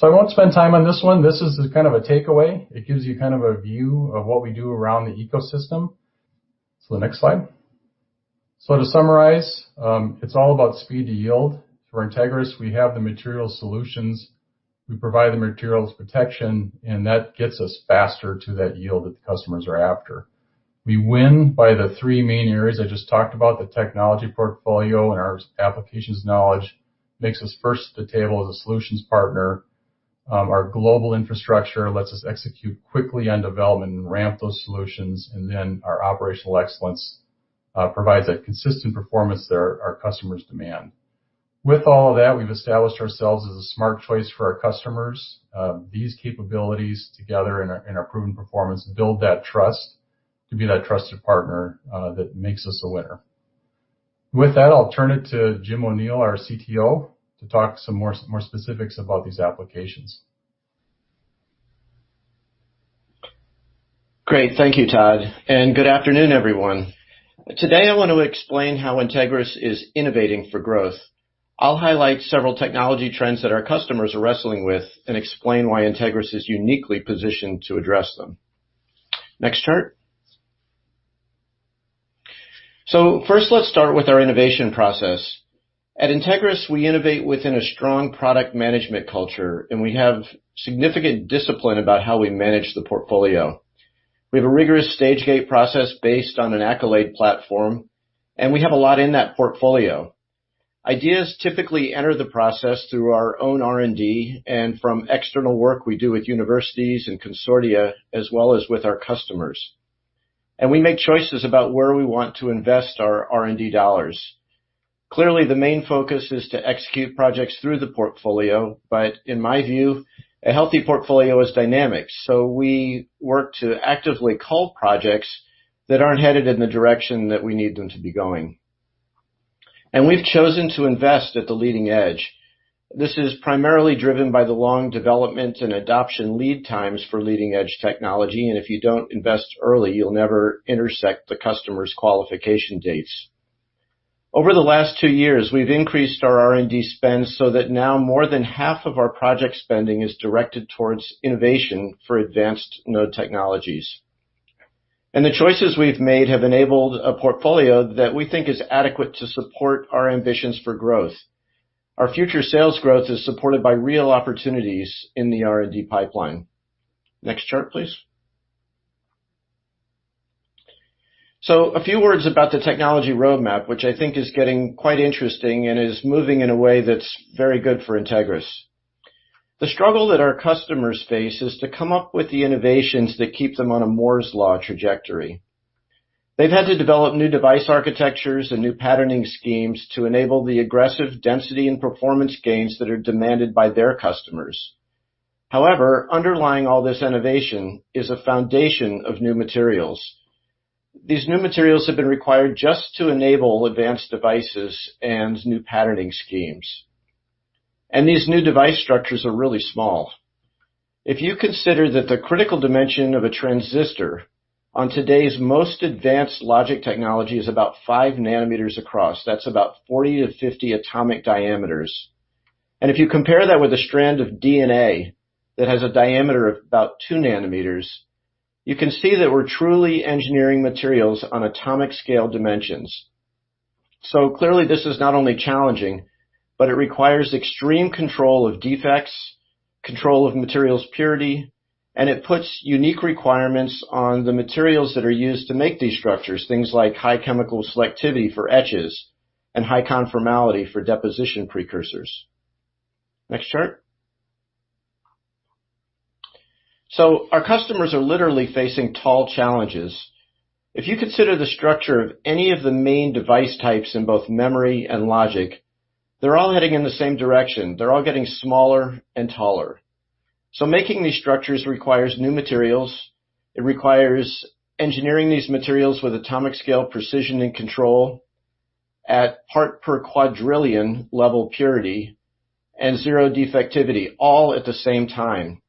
I won't spend time on this one. This is kind of a takeaway. It gives you kind of a view of what we do around the ecosystem. The next slide. To summarize, it's all about speed to yield. For Entegris, we have the material solutions. We provide the materials protection, and that gets us faster to that yield that the customers are after. We win by the three main areas I just talked about, the technology portfolio and our applications knowledge makes us first at the table as a solutions partner. Our global infrastructure lets us execute quickly on development and ramp those solutions. Our operational excellence provides that consistent performance that our customers demand. With all of that, we've established ourselves as a smart choice for our customers. These capabilities together and our proven performance build that trust to be that trusted partner that makes us a winner. With that, I'll turn it to Jim O'Neill, our CTO, to talk some more specifics about these applications. Great. Thank you, Todd. Good afternoon, everyone. Today, I want to explain how Entegris is innovating for growth. I'll highlight several technology trends that our customers are wrestling with and explain why Entegris is uniquely positioned to address them. Next chart. First, let's start with our innovation process. At Entegris, we innovate within a strong product management culture, and we have significant discipline about how we manage the portfolio. We have a rigorous stage gate process based on an Accolade platform, and we have a lot in that portfolio. Ideas typically enter the process through our own R&D and from external work we do with universities and consortia, as well as with our customers. We make choices about where we want to invest our R&D dollars. Clearly, the main focus is to execute projects through the portfolio, but in my view, a healthy portfolio is dynamic. We work to actively cull projects that aren't headed in the direction that we need them to be going. We've chosen to invest at the leading edge. This is primarily driven by the long development and adoption lead times for leading edge technology, and if you don't invest early, you'll never intersect the customer's qualification dates. Over the last two years, we've increased our R&D spend so that now more than half of our project spending is directed towards innovation for advanced node technologies. The choices we've made have enabled a portfolio that we think is adequate to support our ambitions for growth. Our future sales growth is supported by real opportunities in the R&D pipeline. Next chart, please. A few words about the technology roadmap, which I think is getting quite interesting and is moving in a way that's very good for Entegris. The struggle that our customers face is to come up with the innovations that keep them on a Moore's law trajectory. They've had to develop new device architectures and new patterning schemes to enable the aggressive density and performance gains that are demanded by their customers. However, underlying all this innovation is a foundation of new materials. These new materials have been required just to enable advanced devices and new patterning schemes. These new device structures are really small. If you consider that the critical dimension of a transistor on today's most advanced logic technology is about five nanometers across, that's about 40-50 atomic diameters. If you compare that with a strand of DNA that has a diameter of about two nanometers, you can see that we're truly engineering materials on atomic scale dimensions. Clearly, this is not only challenging, but it requires extreme control of defects, control of materials purity, and it puts unique requirements on the materials that are used to make these structures, things like high chemical selectivity for etches and high conformality for deposition precursors. Next chart. Our customers are literally facing tall challenges. If you consider the structure of any of the main device types in both memory and logic, they're all heading in the same direction. They're all getting smaller and taller. Making these structures requires new materials. It requires engineering these materials with atomic scale precision and control at part per quadrillion level purity and zero defectivity, all at the same time.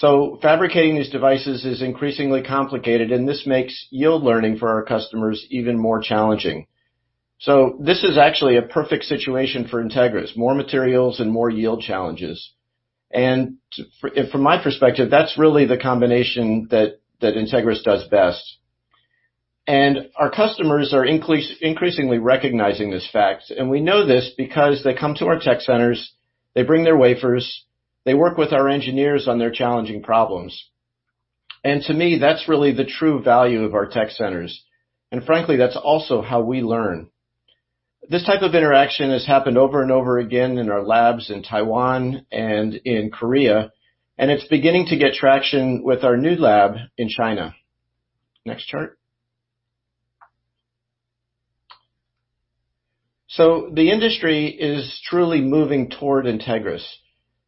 Fabricating these devices is increasingly complicated, and this makes yield learning for our customers even more challenging. This is actually a perfect situation for Entegris, more materials and more yield challenges. From my perspective, that's really the combination that Entegris does best. Our customers are increasingly recognizing this fact. We know this because they come to our tech centers, they bring their wafers. They work with our engineers on their challenging problems. To me, that's really the true value of our tech centers. Frankly, that's also how we learn. This type of interaction has happened over and over again in our labs in Taiwan and in Korea, and it's beginning to get traction with our new lab in China. Next chart. The industry is truly moving toward Entegris.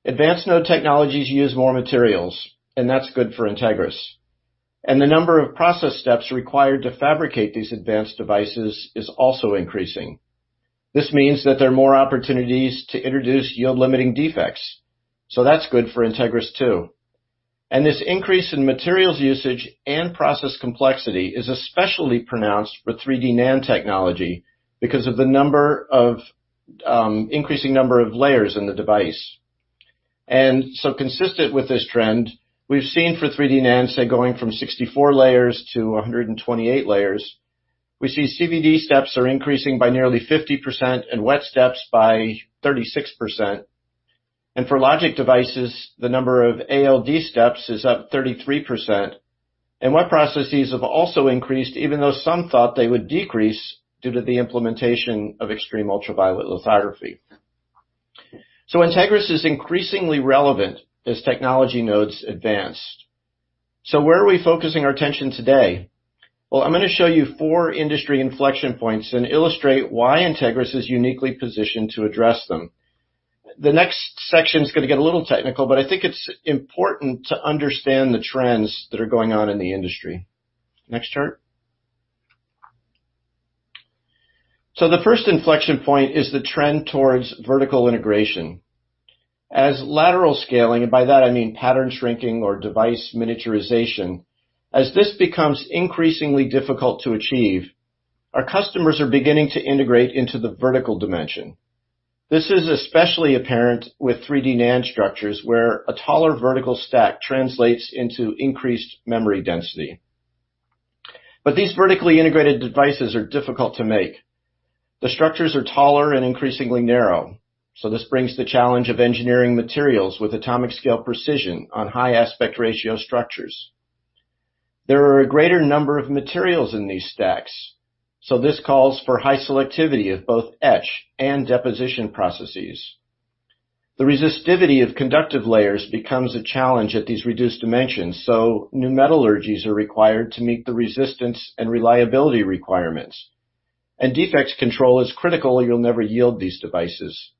Advanced node technologies use more materials, and that's good for Entegris. The number of process steps required to fabricate these advanced devices is also increasing. This means that there are more opportunities to introduce yield-limiting defects. That's good for Entegris, too. This increase in materials usage and process complexity is especially pronounced for 3D NAND technology because of the increasing number of layers in the device. Consistent with this trend, we've seen for 3D NAND, say, going from 64 layers to 128 layers, we see CVD steps are increasing by nearly 50% and wet steps by 36%. For logic devices, the number of ALD steps is up 33%, and wet processes have also increased, even though some thought they would decrease due to the implementation of extreme ultraviolet lithography. Entegris is increasingly relevant as technology nodes advance. Where are we focusing our attention today? Well, I'm going to show you four industry inflection points and illustrate why Entegris is uniquely positioned to address them. The next section is going to get a little technical, but I think it's important to understand the trends that are going on in the industry. Next chart. The first inflection point is the trend towards vertical integration. As lateral scaling, and by that I mean pattern shrinking or device miniaturization, as this becomes increasingly difficult to achieve, our customers are beginning to integrate into the vertical dimension. This is especially apparent with 3D NAND structures, where a taller vertical stack translates into increased memory density. These vertically integrated devices are difficult to make. The structures are taller and increasingly narrow, this brings the challenge of engineering materials with atomic scale precision on high aspect ratio structures. There are a greater number of materials in these stacks, this calls for high selectivity of both etch and deposition processes. The resistivity of conductive layers becomes a challenge at these reduced dimensions, new metallurgies are required to meet the resistance and reliability requirements. Defects control is critical or you'll never yield these devices.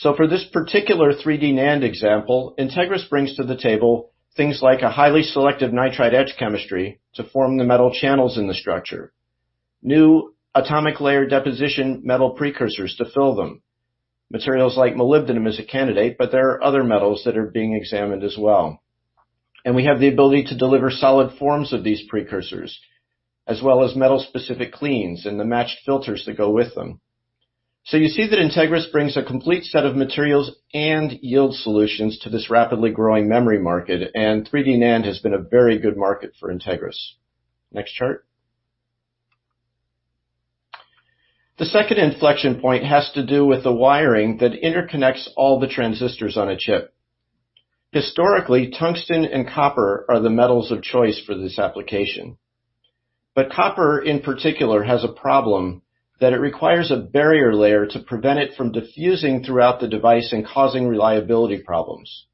For this particular 3D NAND example, Entegris brings to the table things like a highly selective nitride etch chemistry to form the metal channels in the structure, new atomic layer deposition metal precursors to fill them. Materials like molybdenum is a candidate, but there are other metals that are being examined as well. We have the ability to deliver solid forms of these precursors, as well as metal specific cleans and the matched filters that go with them. You see that Entegris brings a complete set of materials and yield solutions to this rapidly growing memory market, and 3D NAND has been a very good market for Entegris. Next chart. The second inflection point has to do with the wiring that interconnects all the transistors on a chip. Historically, tungsten and copper are the metals of choice for this application. Copper in particular has a problem, that it requires a barrier layer to prevent it from diffusing throughout the device and causing reliability problems.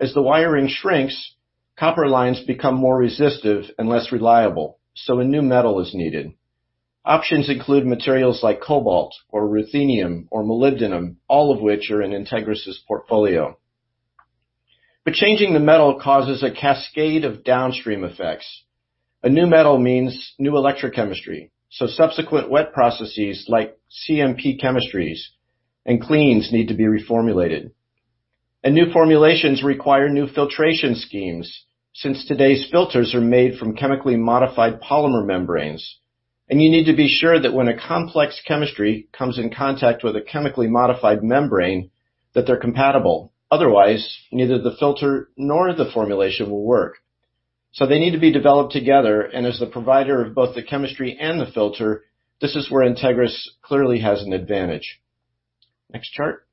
As the wiring shrinks, copper lines become more resistive and less reliable, a new metal is needed. Options include materials like cobalt or ruthenium or molybdenum, all of which are in Entegris' portfolio. Changing the metal causes a cascade of downstream effects. A new metal means new electrochemistry, subsequent wet processes like CMP chemistries and cleans need to be reformulated. New formulations require new filtration schemes, since today's filters are made from chemically modified polymer membranes. You need to be sure that when a complex chemistry comes in contact with a chemically modified membrane, that they're compatible. Otherwise, neither the filter nor the formulation will work. They need to be developed together, and as the provider of both the chemistry and the filter, this is where Entegris clearly has an advantage. Next chart.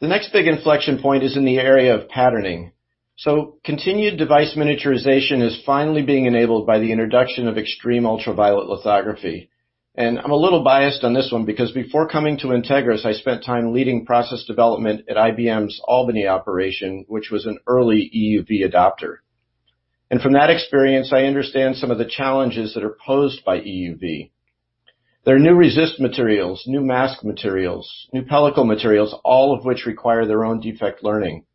The next big inflection point is in the area of patterning. Continued device miniaturization is finally being enabled by the introduction of extreme ultraviolet lithography. I'm a little biased on this one because before coming to Entegris, I spent time leading process development at IBM's Albany operation, which was an early EUV adopter. From that experience, I understand some of the challenges that are posed by EUV. There are new resist materials, new mask materials, new pellicle materials, all of which require their own defect learning.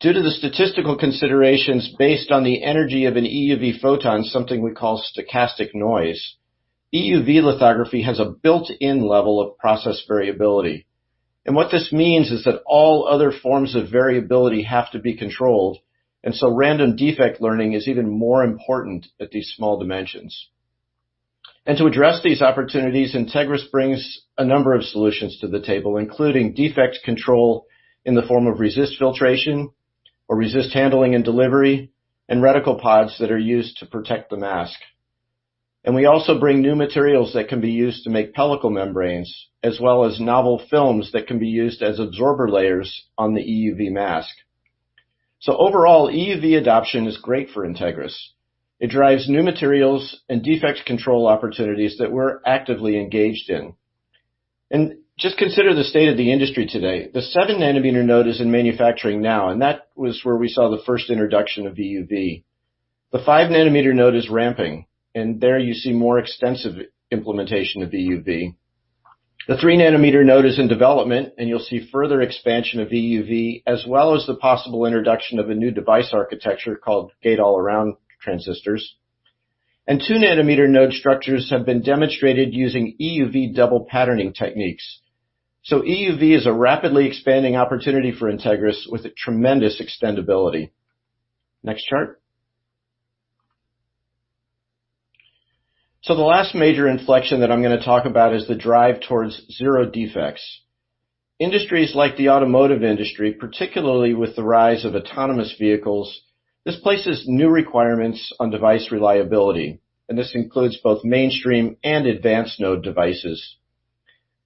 Due to the statistical considerations based on the energy of an EUV photon, something we call stochastic noise, EUV lithography has a built-in level of process variability. What this means is that all other forms of variability have to be controlled, and so random defect learning is even more important at these small dimensions. To address these opportunities, Entegris brings a number of solutions to the table, including defects control in the form of resist filtration or resist handling and delivery, and reticle pods that are used to protect the mask. We also bring new materials that can be used to make pellicle membranes, as well as novel films that can be used as absorber layers on the EUV mask. Overall, EUV adoption is great for Entegris. It drives new materials and defect control opportunities that we're actively engaged in. Just consider the state of the industry today. The 7 nanometer node is in manufacturing now, and that was where we saw the first introduction of EUV. The 5 nm node is ramping, and there you see more extensive implementation of EUV. The 3 nm node is in development, and you'll see further expansion of EUV, as well as the possible introduction of a new device architecture called Gate-All-Around transistors. 2 nm node structures have been demonstrated using EUV double patterning techniques. EUV is a rapidly expanding opportunity for Entegris, with a tremendous extendibility. Next chart. The last major inflection that I'm going to talk about is the drive towards zero defects. Industries like the automotive industry, particularly with the rise of autonomous vehicles, this places new requirements on device reliability, and this includes both mainstream and advanced node devices.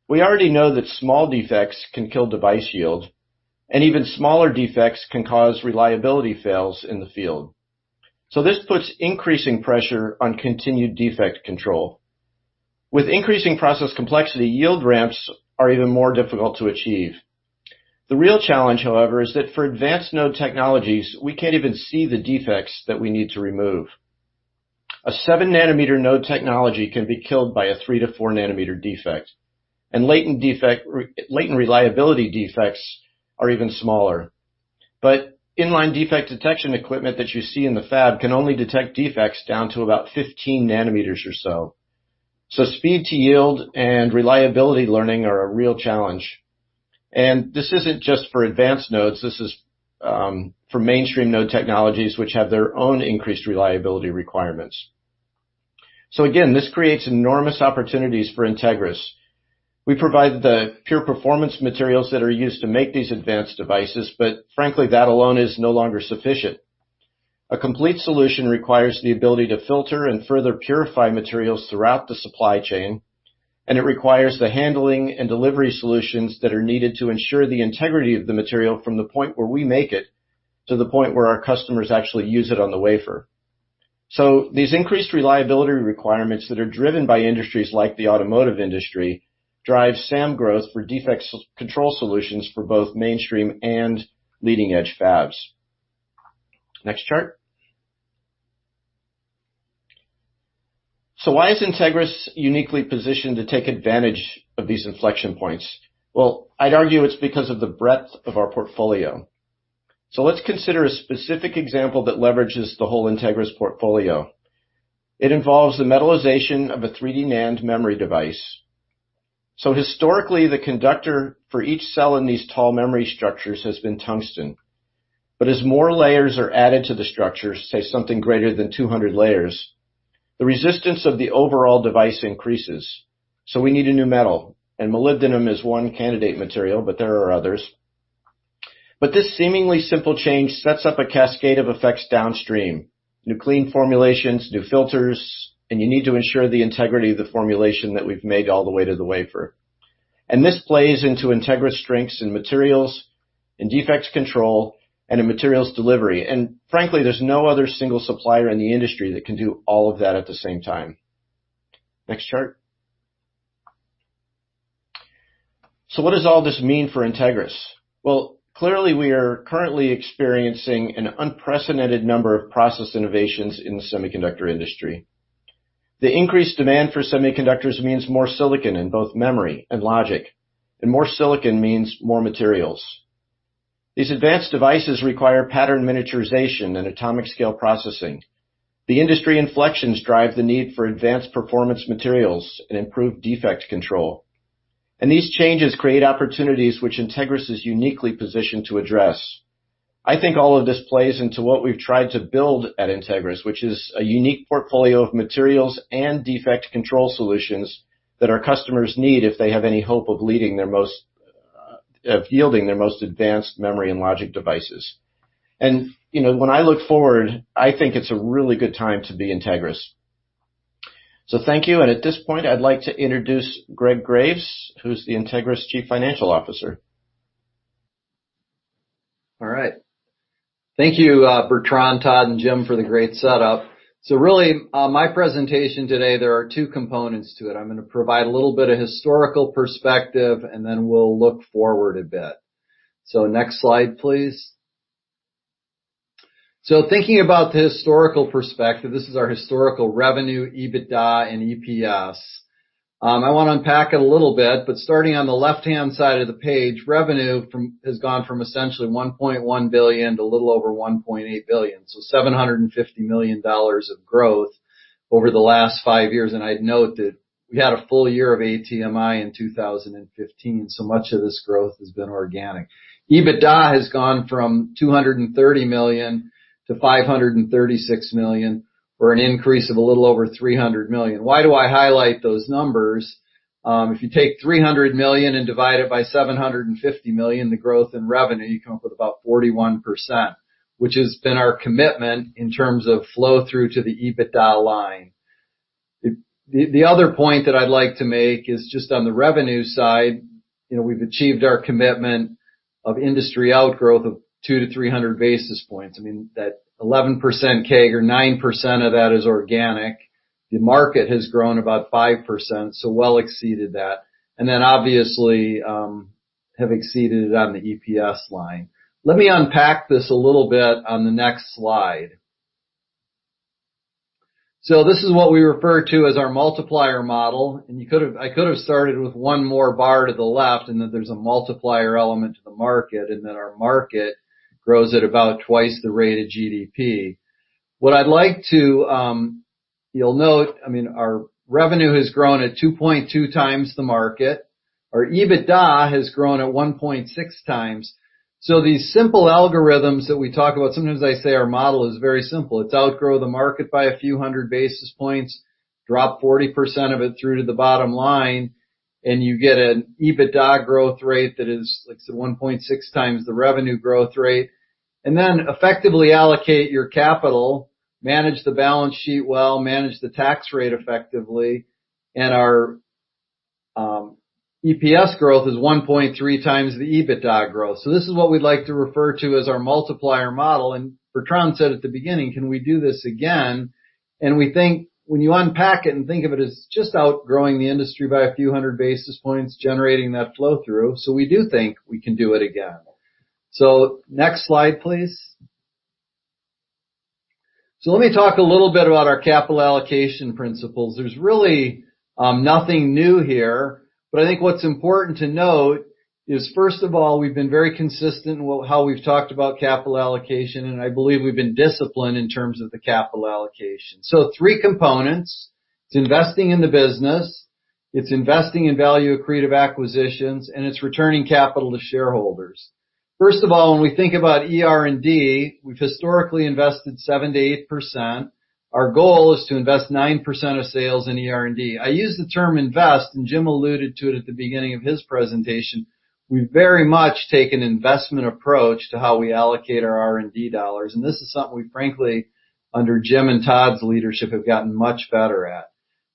We already know that small defects can kill device yield, and even smaller defects can cause reliability fails in the field. This puts increasing pressure on continued defect control. With increasing process complexity, yield ramps are even more difficult to achieve. The real challenge, however, is that for advanced node technologies, we can't even see the defects that we need to remove. A 7 nm node technology can be killed by a 3 nm-4 nm defect, and latent reliability defects are even smaller. In-line defect detection equipment that you see in the fab can only detect defects down to about 15 nm or so. Speed to yield and reliability learning are a real challenge. This isn't just for advanced nodes, this is for mainstream node technologies, which have their own increased reliability requirements. Again, this creates enormous opportunities for Entegris. We provide the pure performance materials that are used to make these advanced devices. Frankly, that alone is no longer sufficient. A complete solution requires the ability to filter and further purify materials throughout the supply chain. It requires the handling and delivery solutions that are needed to ensure the integrity of the material from the point where we make it, to the point where our customers actually use it on the wafer. These increased reliability requirements that are driven by industries like the automotive industry drive SAM growth for defects control solutions for both mainstream and leading-edge fabs. Next chart. Why is Entegris uniquely positioned to take advantage of these inflection points? Well, I'd argue it's because of the breadth of our portfolio. Let's consider a specific example that leverages the whole Entegris portfolio. It involves the metallization of a 3D NAND memory device. Historically, the conductor for each cell in these tall memory structures has been tungsten. As more layers are added to the structures, say something greater than 200 layers, the resistance of the overall device increases. We need a new metal, and molybdenum is one candidate material, but there are others. This seemingly simple change sets up a cascade of effects downstream. New clean formulations, new filters, and you need to ensure the integrity of the formulation that we've made all the way to the wafer. This plays into Entegris' strengths in materials, in defects control, and in materials delivery. Frankly, there's no other single supplier in the industry that can do all of that at the same time. Next chart. What does all this mean for Entegris? Well, clearly we are currently experiencing an unprecedented number of process innovations in the semiconductor industry. The increased demand for semiconductors means more silicon in both memory and logic. More silicon means more materials. These advanced devices require pattern miniaturization and atomic scale processing. The industry inflections drive the need for advanced performance materials and improved defect control. These changes create opportunities which Entegris is uniquely positioned to address. I think all of this plays into what we've tried to build at Entegris, which is a unique portfolio of materials and defect control solutions that our customers need if they have any hope of yielding their most advanced memory and logic devices. When I look forward, I think it's a really good time to be Entegris. Thank you. At this point, I'd like to introduce Greg Graves, who's the Entegris' Chief Financial Officer. All right. Thank you, Bertrand, Todd, and Jim for the great setup. Really, my presentation today, there are two components to it. I am going to provide a little bit of historical perspective, and then we will look forward a bit. Next slide, please. Thinking about the historical perspective, this is our historical revenue, EBITDA, and EPS. I want to unpack it a little bit, but starting on the left-hand side of the page, revenue has gone from essentially $1.1 billion to a little over $1.8 billion. So $750 million of growth over the last five years. And I would note that we had a full year of ATMI in 2015, so much of this growth has been organic. EBITDA has gone from $230 million to $536 million, or an increase of a little over $300 million. Why do I highlight those numbers? If you take $300 million and divide it by $750 million, the growth in revenue, you come up with about 41%. Which has been our commitment in terms of flow-through to the EBITDA line. The other point that I'd like to make is just on the revenue side, we've achieved our commitment of industry outgrowth of 200-300 basis points. I mean, that 11% CAGR, or 9% of that, is organic. The market has grown about 5%, so well exceeded that, and then obviously, have exceeded it on the EPS line. Let me unpack this a little bit on the next slide. This is what we refer to as our multiplier model. I could've started with one more bar to the left, and that there's a multiplier element to the market, and then our market grows at about twice the rate of GDP. You'll note, our revenue has grown at 2.2x the market. Our EBITDA has grown at 1.6x. These simple algorithms that we talk about, sometimes I say our model is very simple. It's outgrow the market by a few hundred basis points, drop 40% of it through to the bottom line, and you get an EBITDA growth rate that is, like I said, 1.6x the revenue growth rate. Effectively allocate your capital, manage the balance sheet well, manage the tax rate effectively, and our EPS growth is 1.3x the EBITDA growth. This is what we'd like to refer to as our multiplier model, and Bertrand said at the beginning, "Can we do this again?" We think when you unpack it and think of it as just outgrowing the industry by a few hundred basis points, generating that flow-through, so we do think we can do it again. Next slide, please. Let me talk a little bit about our capital allocation principles. There's really nothing new here, but I think what's important to note is, first of all, we've been very consistent in how we've talked about capital allocation, and I believe we've been disciplined in terms of the capital allocation. Three components. It's investing in the business, it's investing in value-accretive acquisitions, and it's returning capital to shareholders. First of all, when we think about ER&D, we've historically invested 7%-8%. Our goal is to invest 9% of sales in ER&D. I use the term invest, and Jim alluded to it at the beginning of his presentation. We very much take an investment approach to how we allocate our R&D dollars, and this is something we frankly, under Jim and Todd's leadership, have gotten much better at.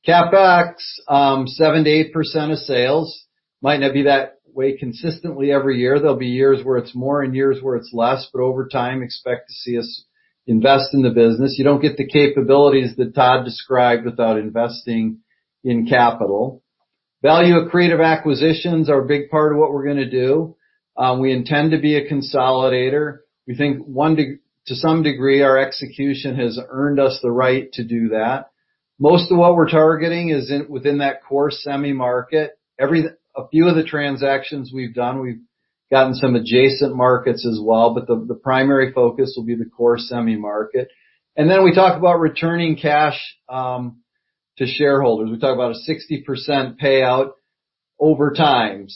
CapEx, 7%-8% of sales. Might not be that way consistently every year. There'll be years where it's more and years where it's less, but over time, expect to see us invest in the business. You don't get the capabilities that Todd described without investing in capital. Value-accretive acquisitions are a big part of what we're going to do. We intend to be a consolidator. We think to some degree, our execution has earned us the right to do that. Most of what we're targeting is within that core semi market. A few of the transactions we've done, we've gotten some adjacent markets as well, the primary focus will be the core semi market. We talk about returning cash to shareholders. We talk about a 60% payout over time.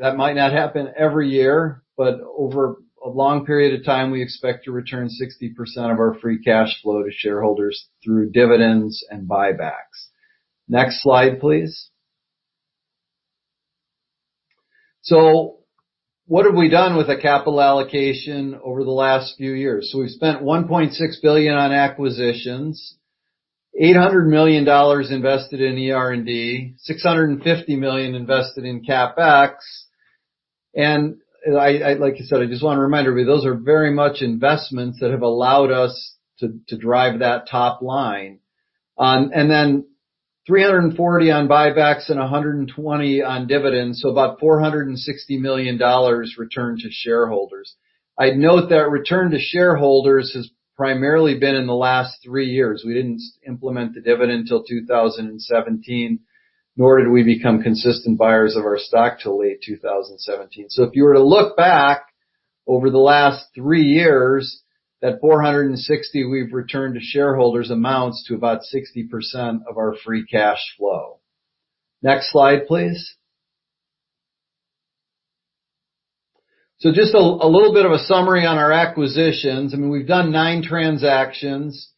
That might not happen every year, but over a long period of time, we expect to return 60% of our free cash flow to shareholders through dividends and buybacks. Next slide, please. What have we done with the capital allocation over the last few years? We've spent $1.6 billion on acquisitions, $800 million invested in ER&D, $650 million invested in CapEx. Like I said, I just want to remind everybody, those are very much investments that have allowed us to drive that top line. $340 million on buybacks and $120 million on dividends, so about $460 million returned to shareholders. I'd note that return to shareholders has primarily been in the last three years. We didn't implement the dividend till 2017, nor did we become consistent buyers of our stock till late 2017. If you were to look back over the last three years, that $460 million we've returned to shareholders amounts to about 60% of our free cash flow. Next slide, please. Just a little bit of a summary on our acquisitions. I mean, we've done nine transactions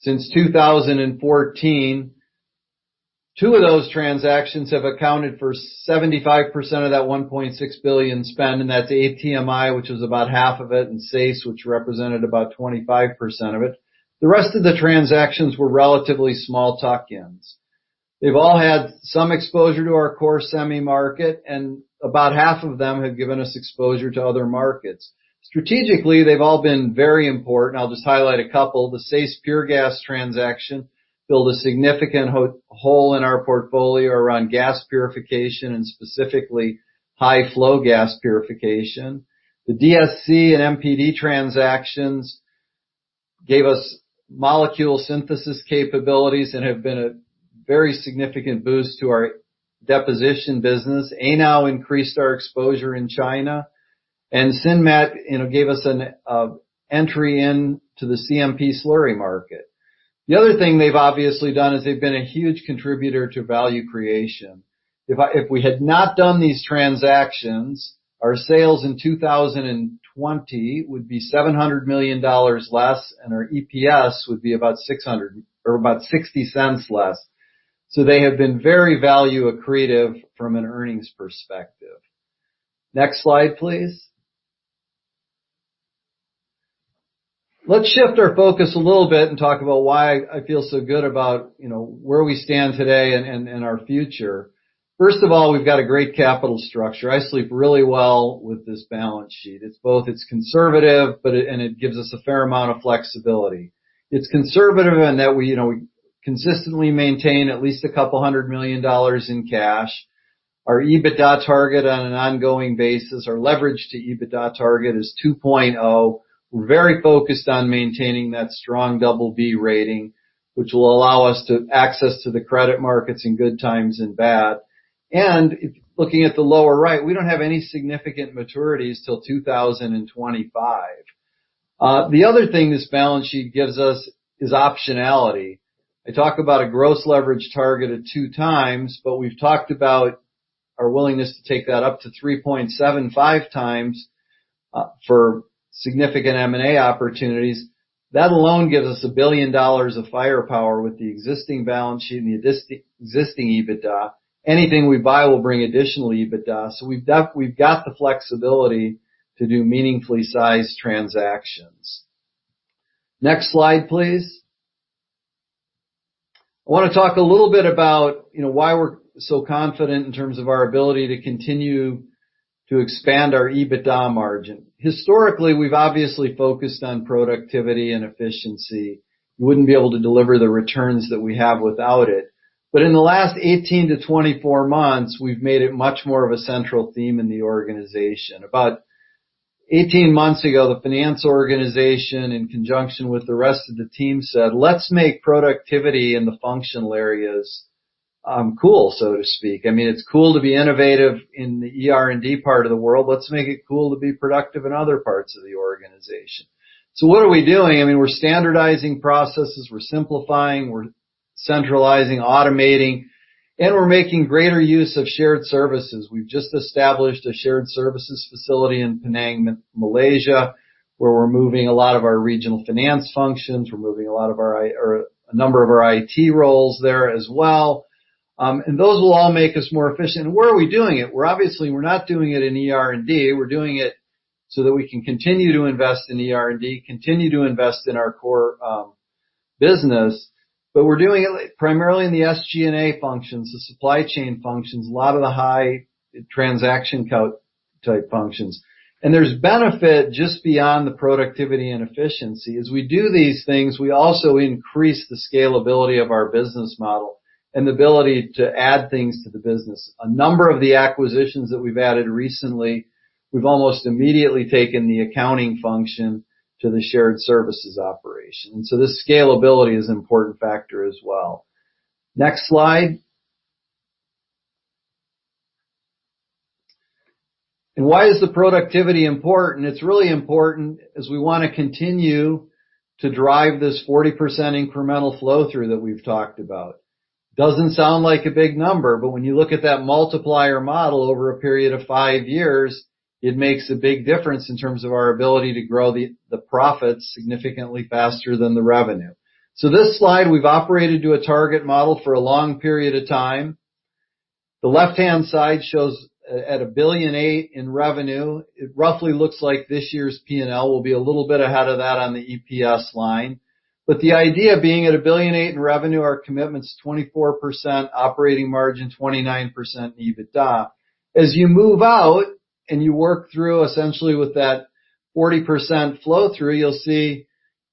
since 2014. Two of those transactions have accounted for 75% of that $1.6 billion spend, and that's ATMI, which was about half of it, and SAES, which represented about 25% of it. The rest of the transactions were relatively small tuck-ins. They've all had some exposure to our core semi market, and about half of them have given us exposure to other markets. Strategically, they've all been very important. I'll just highlight a couple. The SAES Pure Gas transaction filled a significant hole in our portfolio around gas purification, and specifically high flow gas purification. The DSC and MPD transactions gave us molecule synthesis capabilities and have been a very significant boost to our deposition business. Anow increased our exposure in China, and Sinmat gave us an entry into the CMP slurry market. The other thing they've obviously done is they've been a huge contributor to value creation. If we had not done these transactions, our sales in 2020 would be $700 million less, and our EPS would be about $0.60 less. So they have been very value accretive from an earnings perspective. Next slide, please. Let's shift our focus a little bit and talk about why I feel so good about where we stand today and our future. First of all, we've got a great capital structure. I sleep really well with this balance sheet. It's both, it's conservative, and it gives us a fair amount of flexibility. It's conservative in that we consistently maintain at least a couple hundred million dollars in cash. Our EBITDA target on an ongoing basis, our leverage to EBITDA target is 2.0. We're very focused on maintaining that strong BB rating, which will allow us to access to the credit markets in good times and bad. Looking at the lower right, we don't have any significant maturities till 2025. The other thing this balance sheet gives us is optionality. I talk about a gross leverage target of 2x, but we've talked about our willingness to take that up to 3.75x for significant M&A opportunities. That alone gives us $1 billion of firepower with the existing balance sheet and the existing EBITDA. Anything we buy will bring additional EBITDA. We've got the flexibility to do meaningfully sized transactions. Next slide, please. I want to talk a little bit about why we're so confident in terms of our ability to continue to expand our EBITDA margin. Historically, we've obviously focused on productivity and efficiency. We wouldn't be able to deliver the returns that we have without it. In the last 18 to 24 months, we've made it much more of a central theme in the organization. About 18 months ago, the finance organization, in conjunction with the rest of the team said, "Let's make productivity in the functional areas cool," so to speak. I mean, it's cool to be innovative in the ER&D part of the world. Let's make it cool to be productive in other parts of the organization. What are we doing? I mean, we're standardizing processes, we're simplifying, we're centralizing, automating, and we're making greater use of shared services. We've just established a shared services facility in Penang, Malaysia, where we're moving a lot of our regional finance functions. We're moving a number of our IT roles there as well. Those will all make us more efficient. Where are we doing it? We're obviously, we're not doing it in ER&D. We're doing it so that we can continue to invest in ER&D, continue to invest in our core business. We're doing it primarily in the SG&A functions, the supply chain functions, a lot of the high transaction count type functions. There's benefit just beyond the productivity and efficiency. As we do these things, we also increase the scalability of our business model and the ability to add things to the business. A number of the acquisitions that we've added recently, we've almost immediately taken the accounting function to the shared services operation. This scalability is an important factor as well. Next slide. Why is the productivity important? It's really important as we want to continue to drive this 40% incremental flow-through that we've talked about. Doesn't sound like a big number, but when you look at that multiplier model over a period of five years, it makes a big difference in terms of our ability to grow the profits significantly faster than the revenue. This slide, we've operated to a target model for a long period of time. The left-hand side shows at $1.8 billion in revenue. It roughly looks like this year's P&L will be a little bit ahead of that on the EPS line. The idea being at $1.8 billion in revenue, our commitment's 24% operating margin, 29% EBITDA. As you move out and you work through essentially with that 40% flow-through, you'll see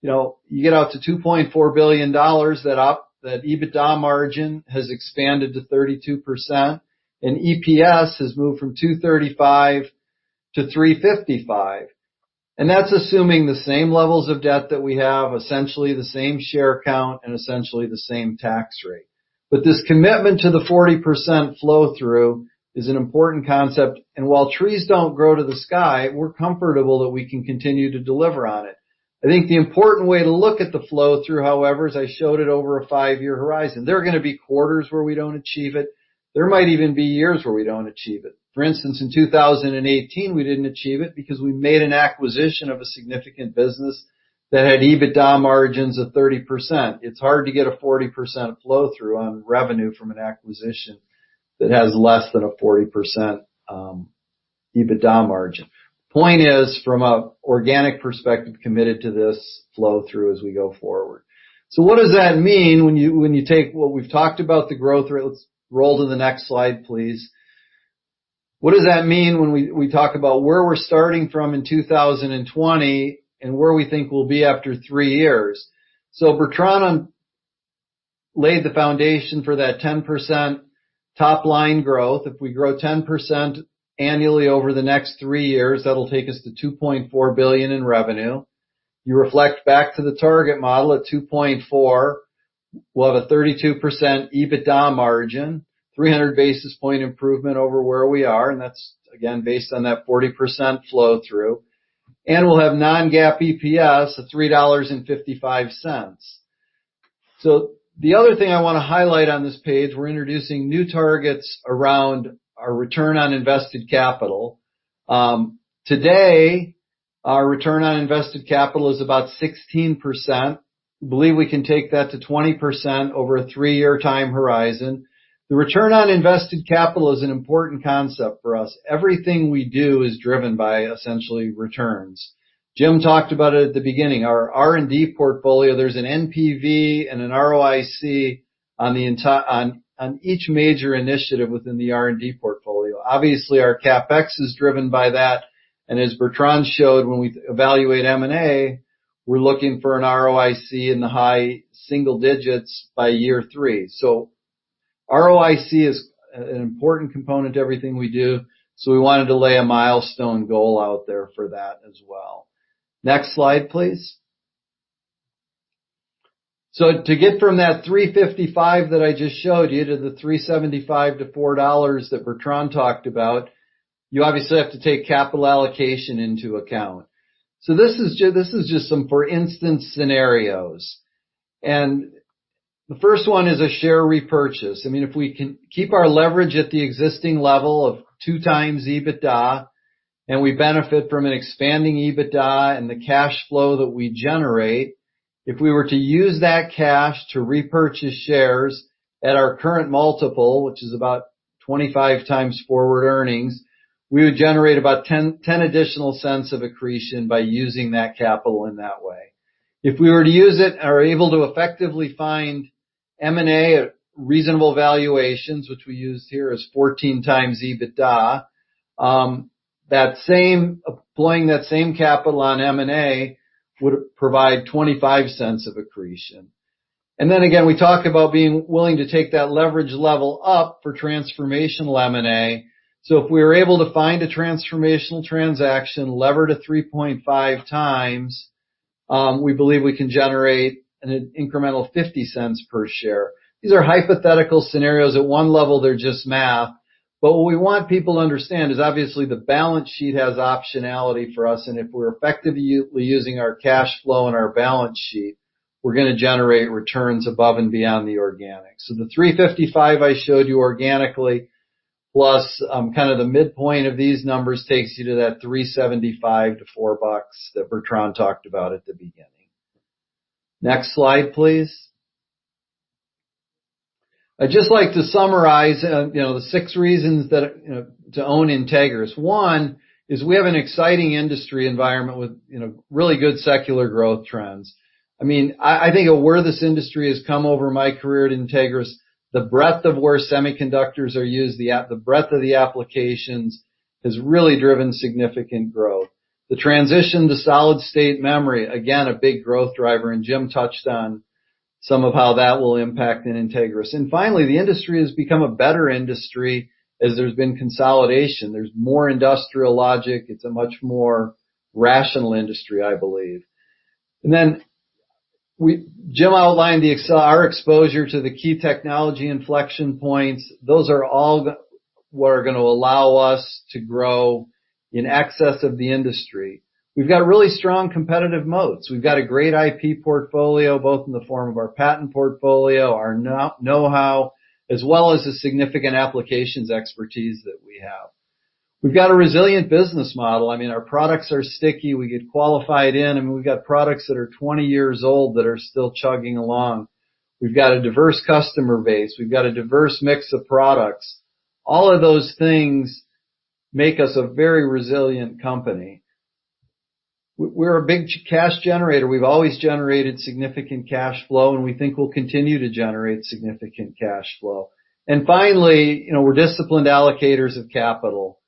you get out to $2.4 billion, that EBITDA margin has expanded to 32%. EPS has moved from $2.35 to $3.55. That's assuming the same levels of debt that we have, essentially the same share count, and essentially the same tax rate. This commitment to the 40% flow-through is an important concept, and while trees don't grow to the sky, we're comfortable that we can continue to deliver on it. The important way to look at the flow-through, however, as I showed it over a five-year horizon. There are going to be quarters where we don't achieve it. There might even be years where we don't achieve it. For instance, in 2018, we didn't achieve it because we made an acquisition of a significant business that had EBITDA margins of 30%. It's hard to get a 40% flow-through on revenue from an acquisition that has less than a 40% EBITDA margin. Point is, from an organic perspective, committed to this flow-through as we go forward. What does that mean when you take what we've talked about the growth rate? Let's roll to the next slide, please. What does that mean when we talk about where we're starting from in 2020 and where we think we'll be after three years? Bertrand laid the foundation for that 10% top line growth. If we grow 10% annually over the next three years, that'll take us to $2.4 billion in revenue. You reflect back to the target model at $2.4, we'll have a 32% EBITDA margin, 300 basis point improvement over where we are, and that's again based on that 40% flow-through. We'll have non-GAAP EPS at $3.55. The other thing I want to highlight on this page, we're introducing new targets around our return on invested capital. Our return on invested capital is about 16%. Believe we can take that to 20% over a three-year time horizon. The return on invested capital is an important concept for us. Everything we do is driven by essentially returns. Jim talked about it at the beginning, our R&D portfolio, there's an NPV and an ROIC on each major initiative within the R&D portfolio. Obviously, our CapEx is driven by that, and as Bertrand showed, when we evaluate M&A, we're looking for an ROIC in the high single digits by year three. ROIC is an important component to everything we do, so we wanted to lay a milestone goal out there for that as well. Next slide, please. To get from that $3.55 that I just showed you to the $3.75-$4 that Bertrand talked about, you obviously have to take capital allocation into account. This is just some for instance scenarios. The first one is a share repurchase. If we can keep our leverage at the existing level of 2x EBITDA, and we benefit from an expanding EBITDA and the cash flow that we generate, if we were to use that cash to repurchase shares at our current multiple, which is about 25x forward earnings, we would generate about additional $0.10 of accretion by using that capital in that way. If we were to use it or able to effectively find M&A at reasonable valuations, which we used here is 14x EBITDA, deploying that same capital on M&A would provide $0.25 of accretion. Again, we talked about being willing to take that leverage level up for transformational M&A. If we were able to find a transformational transaction levered at 3.5x, we believe we can generate an incremental $0.50 per share. These are hypothetical scenarios. At one level, they're just math, but what we want people to understand is obviously the balance sheet has optionality for us, and if we're effectively using our cash flow and our balance sheet, we're going to generate returns above and beyond the organic. The $3.55 I showed you organically, plus kind of the midpoint of these numbers takes you to that $3.75-$4 that Bertrand Loy talked about at the beginning. Next slide, please. I'd just like to summarize the six reasons to own Entegris. One, is we have an exciting industry environment with really good secular growth trends. I think of where this industry has come over my career at Entegris, the breadth of where semiconductors are used, the breadth of the applications, has really driven significant growth. The transition to solid state memory, again, a big growth driver, and Jim touched on some of how that will impact in Entegris. Finally, the industry has become a better industry as there's been consolidation. There's more industrial logic. It's a much more rational industry, I believe. Jim outlined our exposure to the key technology inflection points. Those are all what are going to allow us to grow in excess of the industry. We've got really strong competitive moats. We've got a great IP portfolio, both in the form of our patent portfolio, our knowhow, as well as the significant applications expertise that we have. We've got a resilient business model. Our products are sticky. We get qualified in, and we've got products that are 20 years old that are still chugging along. We've got a diverse customer base. We've got a diverse mix of products. All of those things make us a very resilient company. We're a big cash generator. We've always generated significant cash flow, and we think we'll continue to generate significant cash flow. Finally, we're disciplined allocators of capital.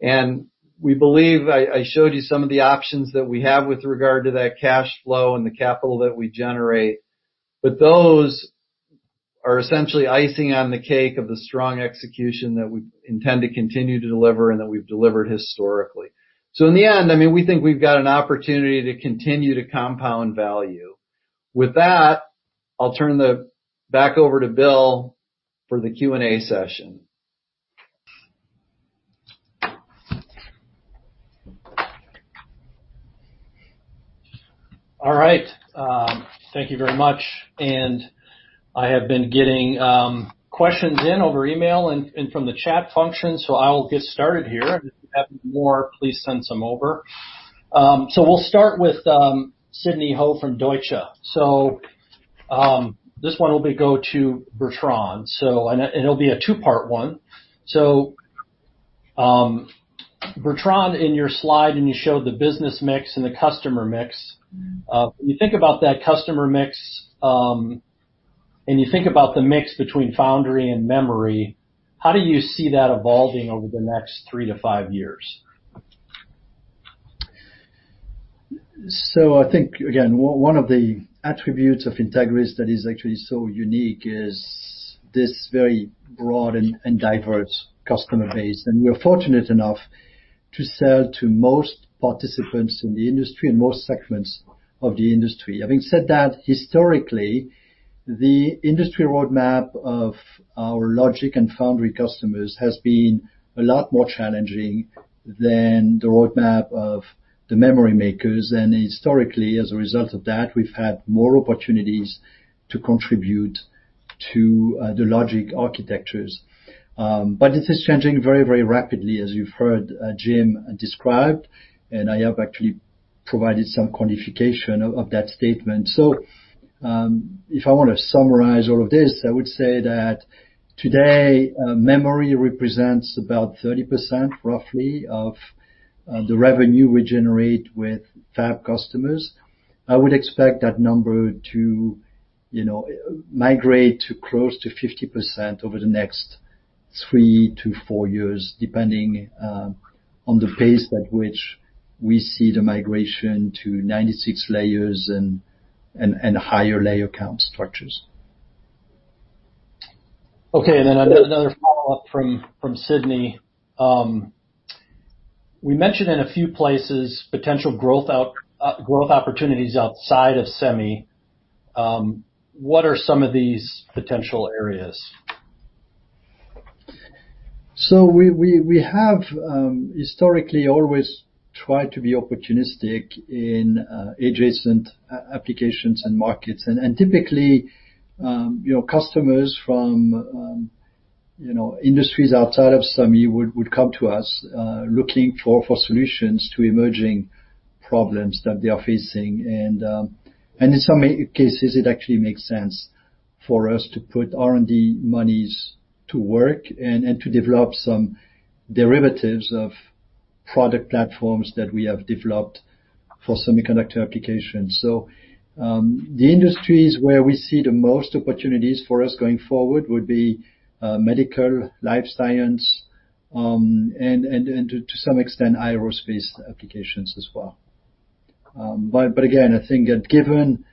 We believe I showed you some of the options that we have with regard to that cash flow and the capital that we generate, but those are essentially icing on the cake of the strong execution that we intend to continue to deliver and that we've delivered historically. In the end, we think we've got an opportunity to continue to compound value. With that, I'll turn it back over to Bill for the Q&A session. All right. Thank you very much. I have been getting questions in over email and from the chat function, so I will get started here. If you have more, please send some over. We'll start with Sidney Ho from Deutsche. This one will go to Bertrand, and it'll be a two-part one. Bertrand, in your slide when you showed the business mix and the customer mix, when you think about that customer mix, and you think about the mix between foundry and memory, how do you see that evolving over the next three to five years? I think, again, one of the attributes of Entegris that is actually so unique is this very broad and diverse customer base. We're fortunate enough to sell to most participants in the industry and most segments of the industry. Having said that, historically, the industry roadmap of our logic and foundry customers has been a lot more challenging than the roadmap of the memory makers. Historically, as a result of that, we've had more opportunities to contribute to the logic architectures. This is changing very rapidly, as you've heard Jim describe, and I have actually provided some quantification of that statement. If I want to summarize all of this, I would say that today, memory represents about 30%, roughly, of the revenue we generate with fab customers. I would expect that number to migrate to close to 50% over the next three to four years, depending on the pace at which we see the migration to 96 layers and higher layer count structures. Okay, another follow-up from Sidney. We mentioned in a few places potential growth opportunities outside of semi. What are some of these potential areas? We have historically always tried to be opportunistic in adjacent applications and markets. Typically, customers from industries outside of semi would come to us, looking for solutions to emerging problems that they are facing. In some cases, it actually makes sense for us to put R&D monies to work and to develop some derivatives of product platforms that we have developed for semiconductor applications. The industries where we see the most opportunities for us going forward would be medical, life science, and to some extent, aerospace applications as well. Again, I think that given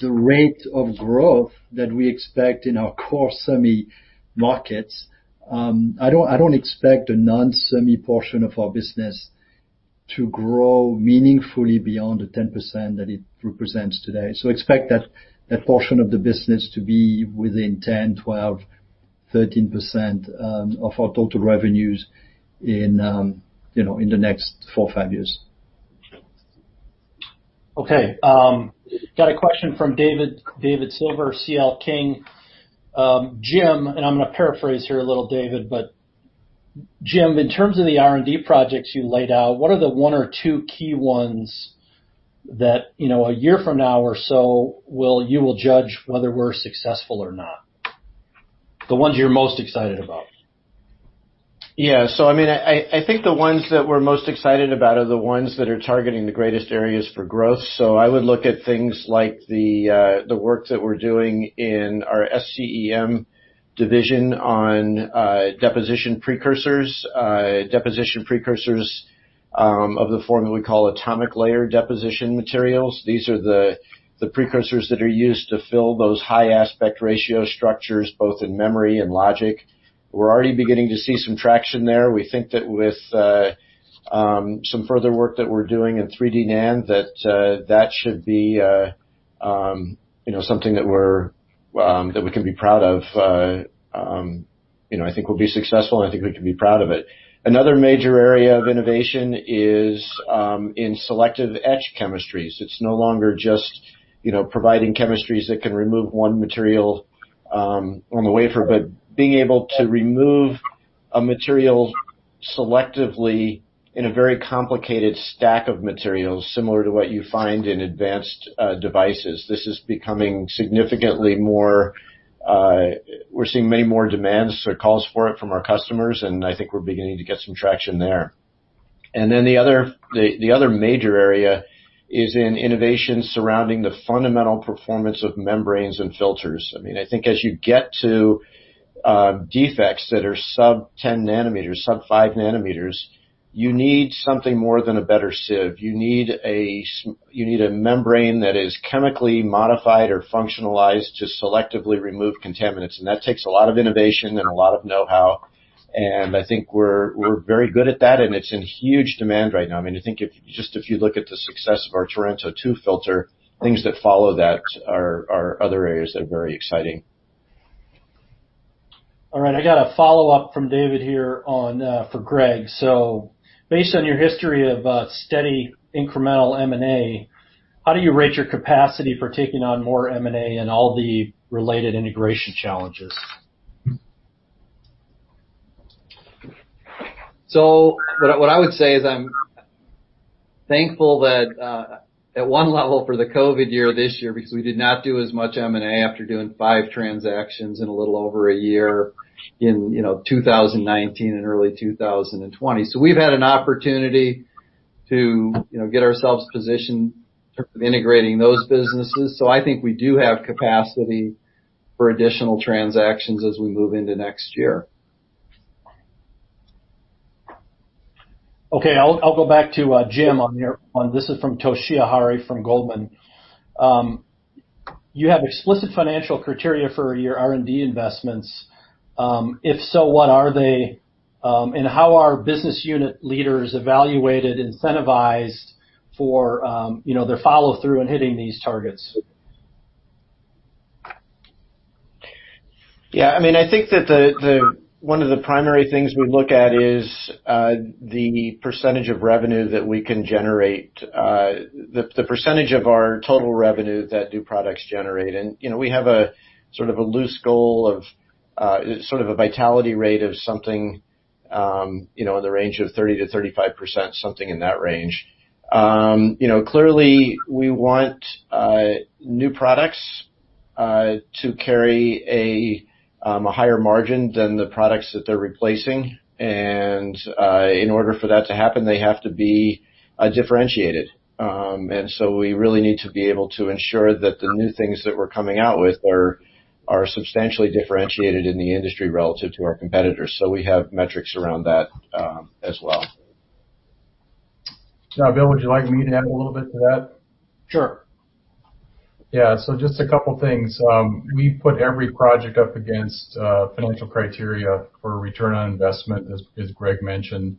the rate of growth that we expect in our core semi markets, I don't expect a non-semi portion of our business to grow meaningfully beyond the 10% that it represents today. Expect that portion of the business to be within 10%, 12%, 13% of our total revenues in the next four or five years. Okay. Got a question from David Silver, C.L. King. Jim, and I'm going to paraphrase here a little, David, but Jim, in terms of the R&D projects you laid out, what are the one or two key ones that a year from now or so, you will judge whether we're successful or not? The ones you're most excited about. I think the ones that we're most excited about are the ones that are targeting the greatest areas for growth. I would look at things like the work that we're doing in our SCEM division on deposition precursors. Deposition precursors of the form that we call atomic layer deposition materials. These are the precursors that are used to fill those high aspect ratio structures, both in memory and logic. We're already beginning to see some traction there. We think that with some further work that we're doing in 3D NAND, that should be something that we can be proud of. I think we'll be successful and I think we can be proud of it. Another major area of innovation is in selective etch chemistries. It's no longer just providing chemistries that can remove one material on the wafer, but being able to remove a material selectively in a very complicated stack of materials, similar to what you find in advanced devices. We're seeing many more demands or calls for it from our customers. I think we're beginning to get some traction there. The other major area is in innovation surrounding the fundamental performance of membranes and filters. I think as you get to defects that are sub-10 nm, sub-5 nm, you need something more than a better sieve. You need a membrane that is chemically modified or functionalized to selectively remove contaminants. That takes a lot of innovation and a lot of know-how, and I think we're very good at that, and it's in huge demand right now. I think if you just look at the success of our Torrento 2 filter, things that follow that are other areas that are very exciting. All right. I got a follow-up from David here for Greg. Based on your history of steady incremental M&A, how do you rate your capacity for taking on more M&A and all the related integration challenges? What I would say is I'm thankful that at one level for the COVID year this year, because we did not do as much M&A after doing five transactions in a little over a year in 2019 and early 2020. We've had an opportunity to get ourselves positioned in terms of integrating those businesses. I think I do have capacity for additional transactions as we move into next year. Okay. I'll go back to Jim on here. This is from Toshiya Hari from Goldman. You have explicit financial criteria for your R&D investments. If so, what are they? How are business unit leaders evaluated, incentivized for their follow-through in hitting these targets? Yeah, I think that one of the primary things we look at is the percentage of our total revenue that new products generate. We have a loose goal of a vitality rate of something in the range of 30%-35%, something in that range. Clearly, we want new products to carry a higher margin than the products that they're replacing. In order for that to happen, they have to be differentiated. We really need to be able to ensure that the new things that we're coming out with are substantially differentiated in the industry relative to our competitors. We have metrics around that as well. Yeah. Bill, would you like me to add a little bit to that? Sure. Just a couple things. We put every project up against financial criteria for return on investment, as Greg mentioned.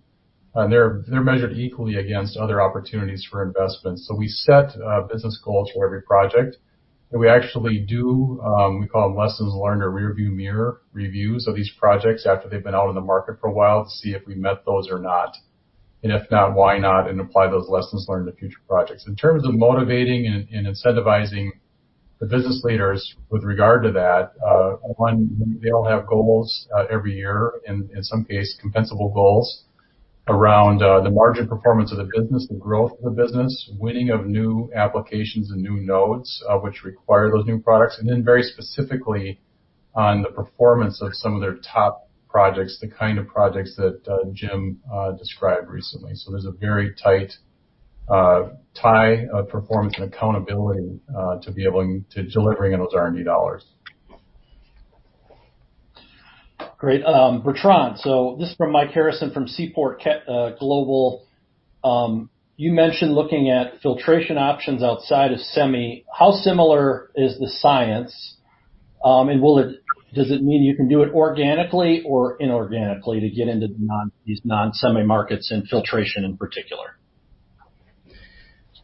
They are measured equally against other opportunities for investment. We set business goals for every project, and we actually do, we call them lessons learned or rearview mirror reviews of these projects after they have been out in the market for a while to see if we met those or not. If not, why not, and apply those lessons learned to future projects. In terms of motivating and incentivizing the business leaders with regard to that, one, they all have goals every year, in some case compensable goals, around the margin performance of the business, the growth of the business, winning of new applications and new nodes, which require those new products. Very specifically on the performance of some of their top projects, the kind of projects that Jim described recently. There's a very tight tie of performance and accountability to be able to delivering those R&D dollars. Great. Bertrand. This is from Mike Harrison from Seaport Global. You mentioned looking at filtration options outside of semi. How similar is the science? Does it mean you can do it organically or inorganically to get into these non-semi markets and filtration in particular?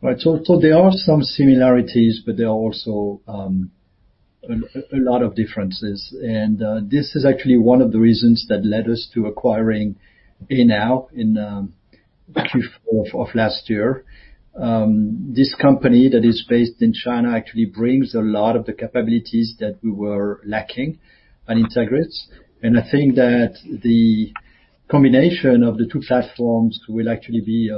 Right. There are some similarities, but there are also a lot of differences. This is actually one of the reasons that led us to acquiring Anow in Q4 of last year. This company that is based in China actually brings a lot of the capabilities that we were lacking at Entegris. I think that the combination of the two platforms will actually be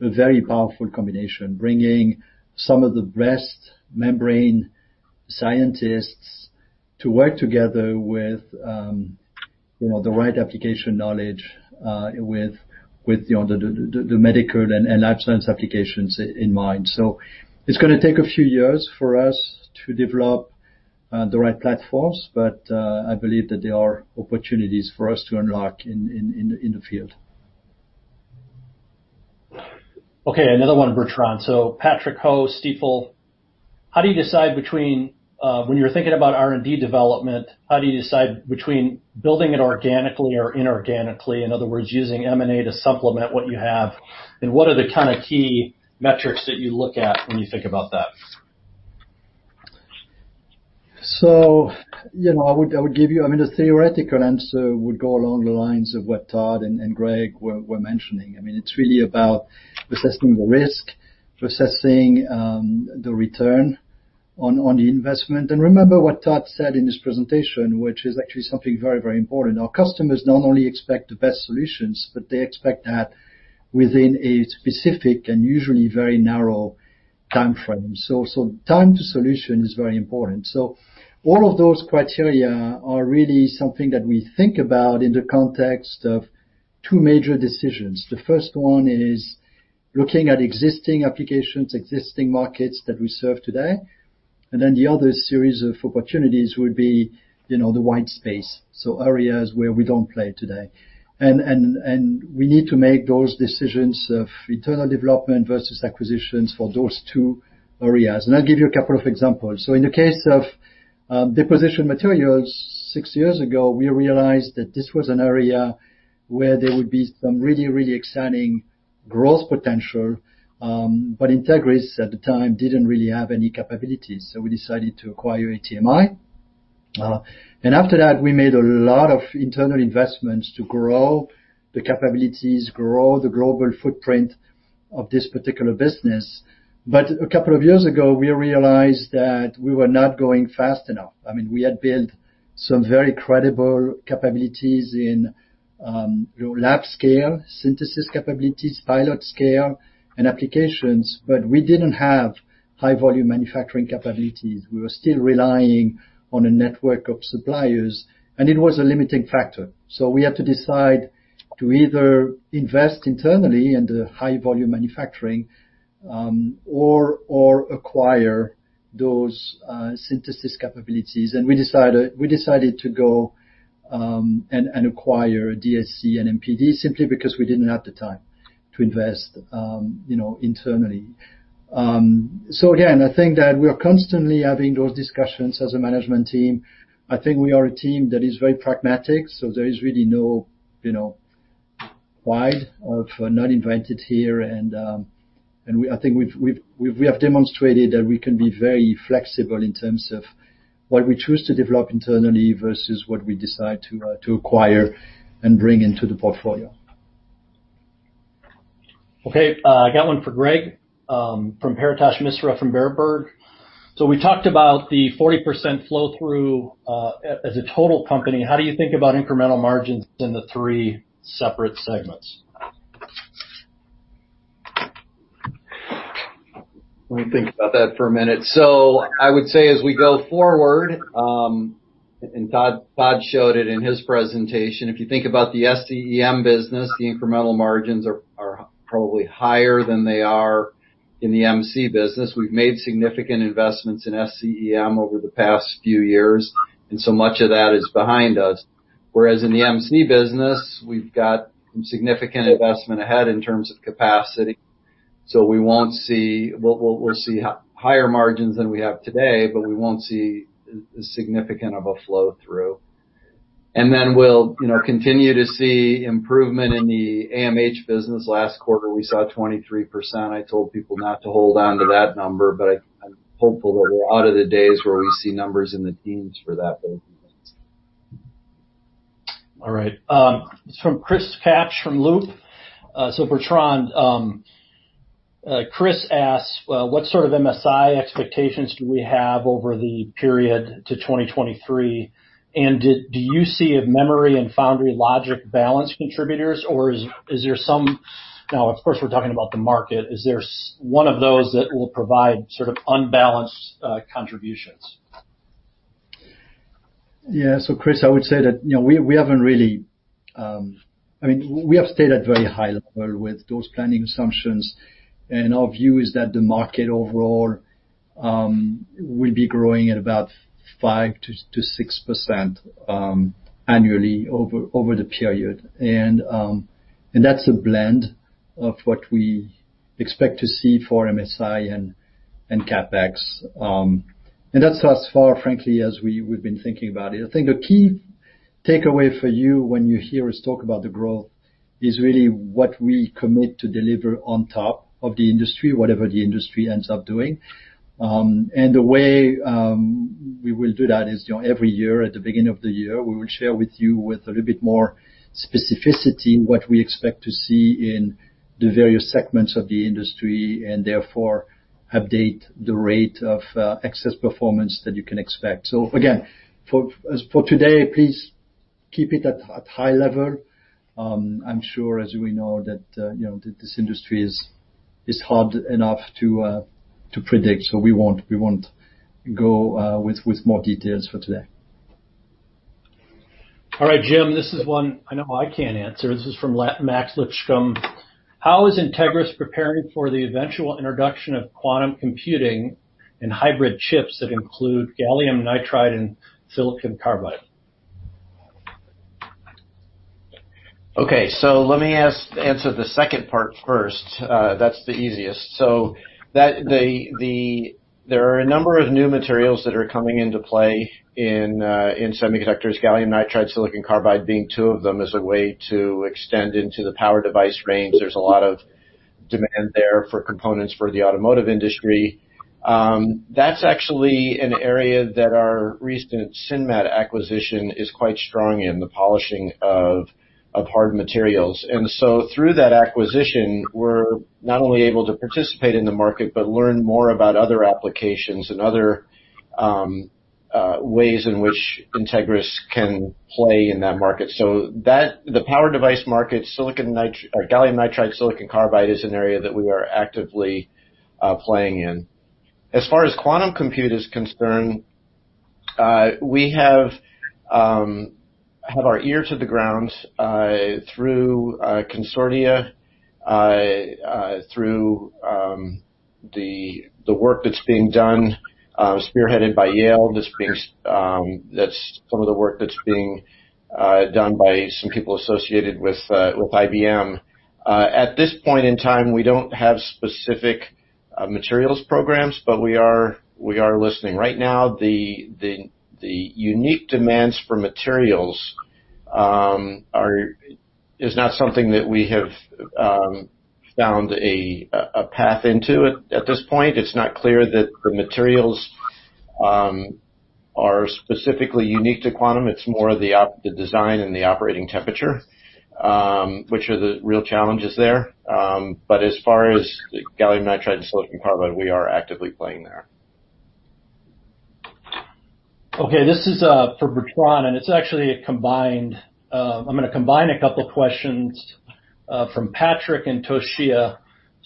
a very powerful combination, bringing some of the best membrane scientists to work together with the right application knowledge with the medical and life science applications in mind. It's going to take a few years for us to develop the right platforms. I believe that there are opportunities for us to unlock in the field. Okay. Another one, Bertrand. Patrick Ho, Stifel. When you're thinking about R&D development, how do you decide between building it organically or inorganically, in other words, using M&A to supplement what you have? What are the kind of key metrics that you look at when you think about that? The theoretical answer would go along the lines of what Todd and Greg were mentioning. It's really about assessing the risk, assessing the return on the investment. Remember what Todd said in his presentation, which is actually something very important. Our customers not only expect the best solutions, but they expect that within a specific and usually very narrow timeframe. Time to solution is very important. All of those criteria are really something that we think about in the context of two major decisions. The first one is looking at existing applications, existing markets that we serve today. Then the other series of opportunities will be the white space, so areas where we don't play today. We need to make those decisions of internal development versus acquisitions for those two areas. I'll give you a couple of examples. In the case of deposition materials, six years ago, we realized that this was an area where there would be some really exciting growth potential. Entegris at the time didn't really have any capabilities, so we decided to acquire ATMI. After that, we made a lot of internal investments to grow the capabilities, grow the global footprint of this particular business. A couple of years ago, we realized that we were not going fast enough. We had built some very credible capabilities in lab scale synthesis capabilities, pilot scale and applications. We didn't have high volume manufacturing capabilities. We were still relying on a network of suppliers, and it was a limiting factor. We had to decide to either invest internally in the high volume manufacturing or acquire those synthesis capabilities. We decided to go and acquire DSC and MPD simply because we didn't have the time to invest internally. Again, I think that we are constantly having those discussions as a management team. I think we are a team that is very pragmatic. There is really no pride of not invented here, and I think we have demonstrated that we can be very flexible in terms of what we choose to develop internally versus what we decide to acquire and bring into the portfolio. Okay. I got one for Greg from Paritosh Misra from Berenberg. We talked about the 40% flow through as a total company, how do you think about incremental margins in the three separate segments? Let me think about that for a minute. I would say as we go forward, and Todd showed it in his presentation, if you think about the SCEM business, the incremental margins are probably higher than they are in the MC business. We've made significant investments in SCEM over the past few years, and so much of that is behind us. Whereas in the MC business, we've got some significant investment ahead in terms of capacity. We'll see higher margins than we have today, but we won't see as significant of a flow through. Then we'll continue to see improvement in the AMH business. Last quarter, we saw 23%. I told people not to hold on to that number, but I'm hopeful that we're out of the days where we see numbers in the teens for that business. All right. This from Chris Kapsch from Loop. Bertrand, Chris asks, "What sort of MSI expectations do we have over the period to 2023? Do you see if memory and foundry logic balance contributors?" Now, of course, we're talking about the market. "Is there one of those that will provide sort of unbalanced contributions? Chris, I would say that we have stayed at very high level with those planning assumptions, and our view is that the market overall will be growing at about 5%-6% annually over the period. That's a blend of what we expect to see for MSI and CapEx. That's as far, frankly, as we've been thinking about it. I think the key takeaway for you when you hear us talk about the growth is really what we commit to deliver on top of the industry, whatever the industry ends up doing. The way we will do that is every year, at the beginning of the year, we will share with you with a little bit more specificity what we expect to see in the various segments of the industry, and therefore update the rate of excess performance that you can expect. Again, for today, please keep it at high level. I'm sure, as we know, that this industry is hard enough to predict, we won't go with more details for today. All right. Jim, this is one I know I can't answer. This is from Max Licht from, how is Entegris preparing for the eventual introduction of quantum computing and hybrid chips that include gallium nitride and silicon carbide? Okay. Let me answer the second part first. That's the easiest. There are a number of new materials that are coming into play in semiconductors, gallium nitride, silicon carbide being two of them as a way to extend into the power device range. There's a lot of demand there for components for the automotive industry. That's actually an area that our recent Sinmat acquisition is quite strong in, the polishing of hard materials. Through that acquisition, we're not only able to participate in the market, but learn more about other applications and other ways in which Entegris can play in that market. The power device market, gallium nitride, silicon carbide is an area that we are actively playing in. As far as quantum compute is concerned, we have our ear to the ground through consortia, through the work that's being done, spearheaded by Yale. That's some of the work that's being done by some people associated with IBM. At this point in time, we don't have specific materials programs, but we are listening. Right now, the unique demands for materials is not something that we have found a path into it at this point. It's not clear that the materials are specifically unique to quantum. It's more of the design and the operating temperature, which are the real challenges there. As far as the gallium nitride and silicon carbide, we are actively playing there. Okay, this is for Bertrand. It's actually a combined I'm going to combine a couple questions from Patrick and Toshiya.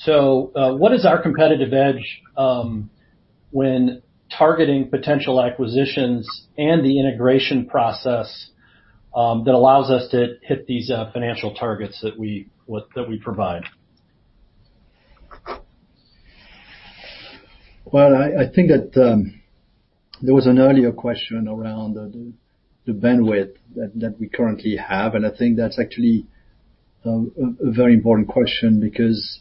What is our competitive edge when targeting potential acquisitions and the integration process that allows us to hit these financial targets that we provide? Well, I think that there was an earlier question around the bandwidth that we currently have. I think that's actually a very important question because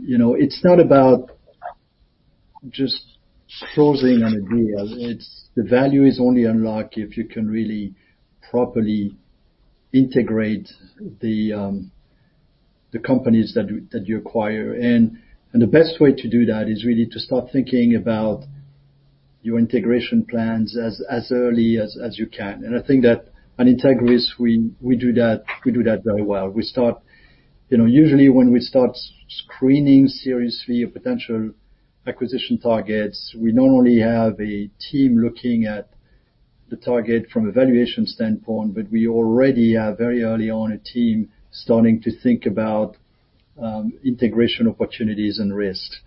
it's not about just closing on a deal. The value is only unlocked if you can really properly integrate the companies that you acquire. The best way to do that is really to start thinking about your integration plans as early as you can. I think that at Entegris, we do that very well. Usually, when we start screening seriously potential acquisition targets, we not only have a team looking at the target from a valuation standpoint, but we already have, very early on, a team starting to think about integration opportunities and risks.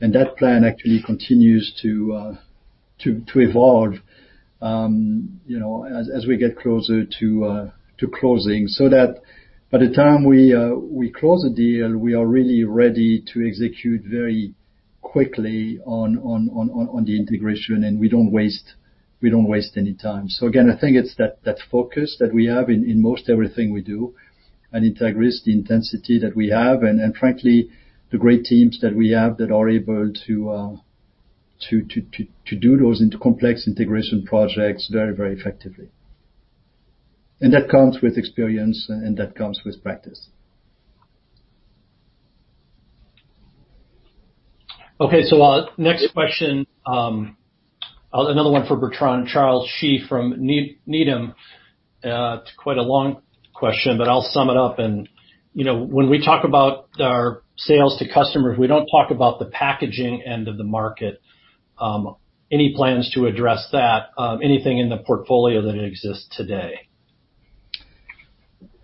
That plan actually continues to evolve as we get closer to closing, so that by the time we close a deal, we are really ready to execute very quickly on the integration, and we don't waste any time. Again, I think it's that focus that we have in most everything we do at Entegris, the intensity that we have, and frankly, the great teams that we have that are able to do those complex integration projects very, very effectively. That comes with experience, and that comes with practice. Okay. Next question, another one for Bertrand. Charles Shi from Needham. It's quite a long question, but I'll sum it up. When we talk about our sales to customers, we don't talk about the packaging end of the market. Any plans to address that? Anything in the portfolio that exists today?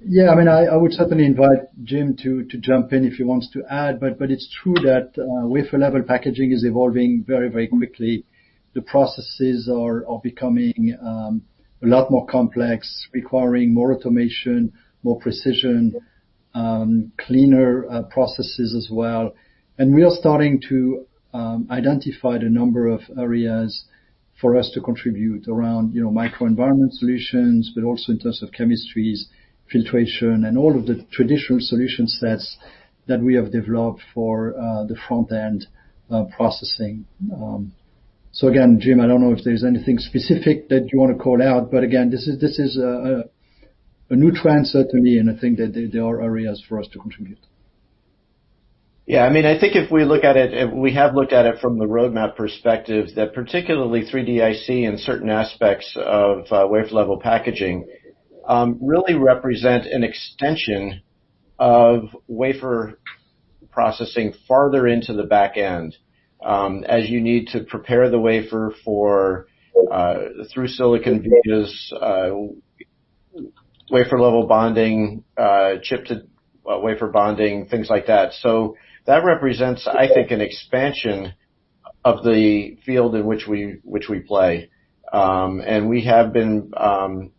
Yeah. I would certainly invite Jim to jump in if he wants to add. It's true that wafer level packaging is evolving very, very quickly. The processes are becoming a lot more complex, requiring more automation, more precision, cleaner processes as well. We are starting to identify the number of areas for us to contribute around microenvironment solutions, but also in terms of chemistries, filtration, and all of the traditional solution sets that we have developed for the front-end processing. Again, Jim, I don't know if there's anything specific that you want to call out, but again, this is a new trend, certainly, and I think that there are areas for us to contribute. Yeah. I think if we look at it, and we have looked at it from the roadmap perspective, that particularly 3DIC and certain aspects of wafer level packaging really represent an extension of wafer processing farther into the back end, as you need to prepare the wafer for through-silicon vias, wafer level bonding, chip to wafer bonding, things like that. That represents, I think, an expansion of the field in which we play. We have been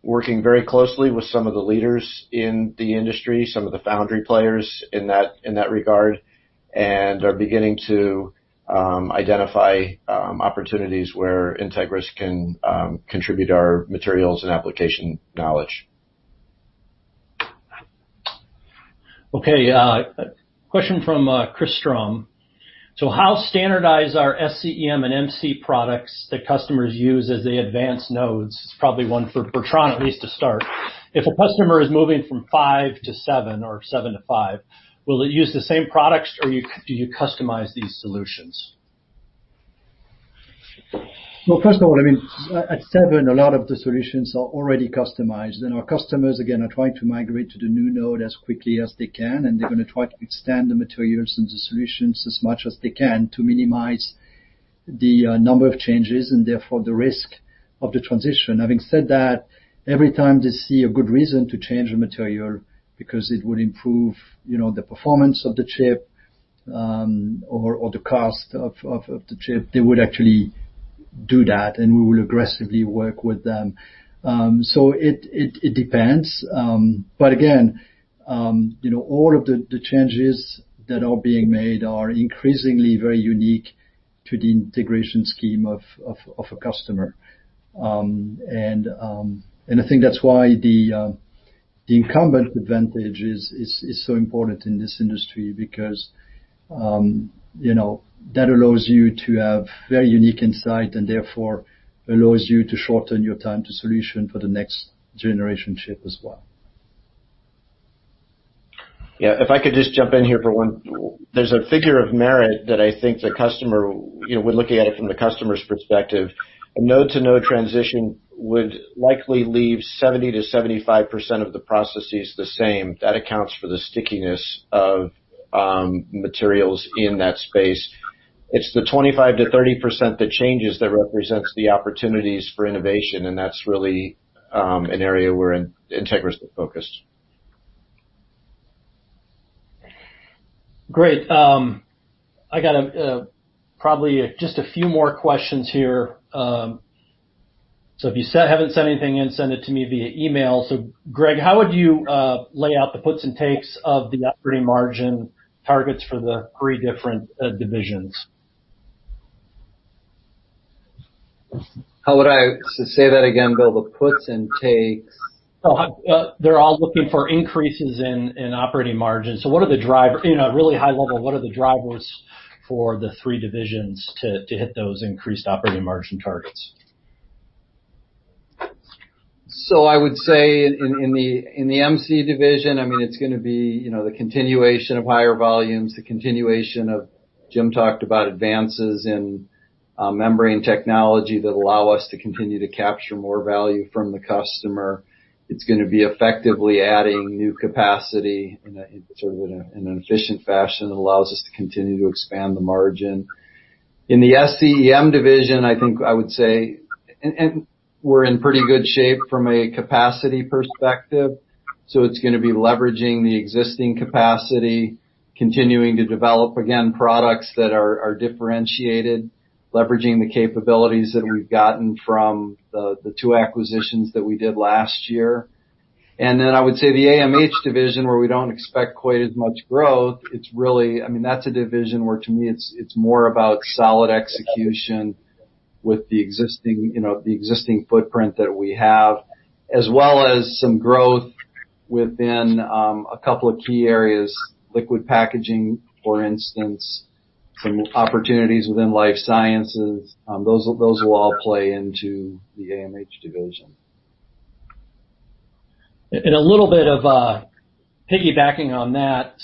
working very closely with some of the leaders in the industry, some of the foundry players in that regard, and are beginning to identify opportunities where Entegris can contribute our materials and application knowledge. Okay. A question from Chris Strom. How standardized are SCEM and MC products that customers use as they advance nodes? It's probably one for Bertrand, at least to start. If a customer is moving from five to seven or seven to five, will it use the same products, or do you customize these solutions? First of all, at seven, a lot of the solutions are already customized, and our customers, again, are trying to migrate to the new node as quickly as they can, and they're going to try to extend the materials and the solutions as much as they can to minimize the number of changes, and therefore, the risk of the transition. Having said that, every time they see a good reason to change the material because it would improve the performance of the chip or the cost of the chip, they would actually do that, and we will aggressively work with them. It depends. Again, all of the changes that are being made are increasingly very unique to the integration scheme of a customer. I think that's why the incumbent advantage is so important in this industry because that allows you to have very unique insight, and therefore, allows you to shorten your time to solution for the next generation chip as well. Yeah, if I could just jump in here for one. There's a figure of merit that I think when looking at it from the customer's perspective, a node-to-node transition would likely leave 70%-75% of the processes the same. That accounts for the stickiness of materials in that space. It's the 25%-30% that changes that represents the opportunities for innovation, and that's really an area where Entegris is focused. Great. I got probably just a few more questions here. If you haven't sent anything in, send it to me via email. Greg, how would you lay out the puts and takes of the operating margin targets for the three different divisions? How would I Say that again, Bill, the puts and takes? They're all looking for increases in operating margins. At a really high level, what are the drivers for the three divisions to hit those increased operating margin targets? I would say in the MC division, it's going to be the continuation of higher volumes, the continuation of, Jim talked about advances in membrane technology that allow us to continue to capture more value from the customer. It's going to be effectively adding new capacity in an efficient fashion that allows us to continue to expand the margin. In the SCEM division, I think I would say we're in pretty good shape from a capacity perspective. It's going to be leveraging the existing capacity, continuing to develop, again, products that are differentiated, leveraging the capabilities that we've gotten from the two acquisitions that we did last year. I would say the AMH division, where we don't expect quite as much growth, that's a division where, to me, it's more about solid execution with the existing footprint that we have, as well as some growth within a couple of key areas, liquid packaging, for instance, some opportunities within life sciences. Those will all play into the AMH division. A little bit of piggybacking on that.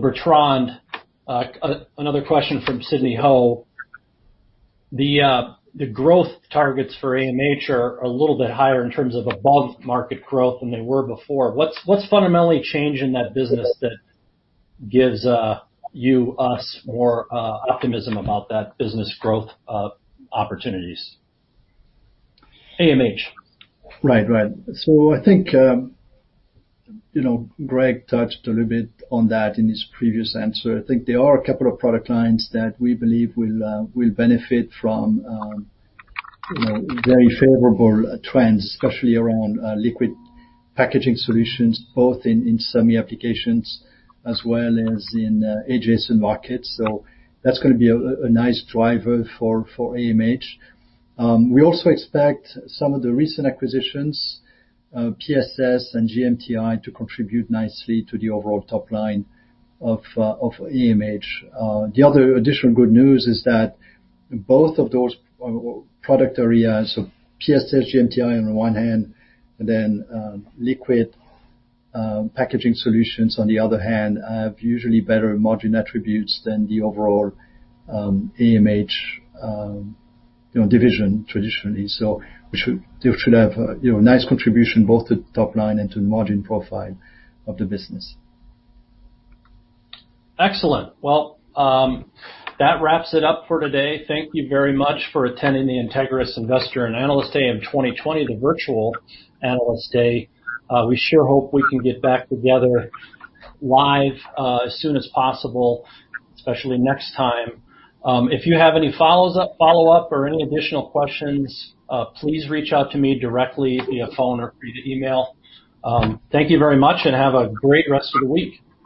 Bertrand, another question from Sidney Ho. The growth targets for AMH are a little bit higher in terms of above-market growth than they were before. What's fundamentally changed in that business that gives you/us more optimism about that business growth opportunities? AMH. Right. I think Greg touched a little bit on that in his previous answer. I think there are a couple of product lines that we believe will benefit from very favorable trends, especially around liquid packaging solutions, both in semi applications as well as in adjacent markets. That's going to be a nice driver for AMH. We also expect some of the recent acquisitions, PSS and GMTI, to contribute nicely to the overall top line of AMH. The other additional good news is that both of those product areas, so PSS, GMTI on the one hand, then liquid packaging solutions on the other hand, have usually better margin attributes than the overall AMH division traditionally. They should have a nice contribution both to top line and to the margin profile of the business. Excellent. Well, that wraps it up for today. Thank you very much for attending the Entegris Investor and Analyst Day in 2020, the Virtual Analyst Day. We sure hope we can get back together live as soon as possible, especially next time. If you have any follow-up or any additional questions, please reach out to me directly via phone or via email. Thank you very much and have a great rest of the week.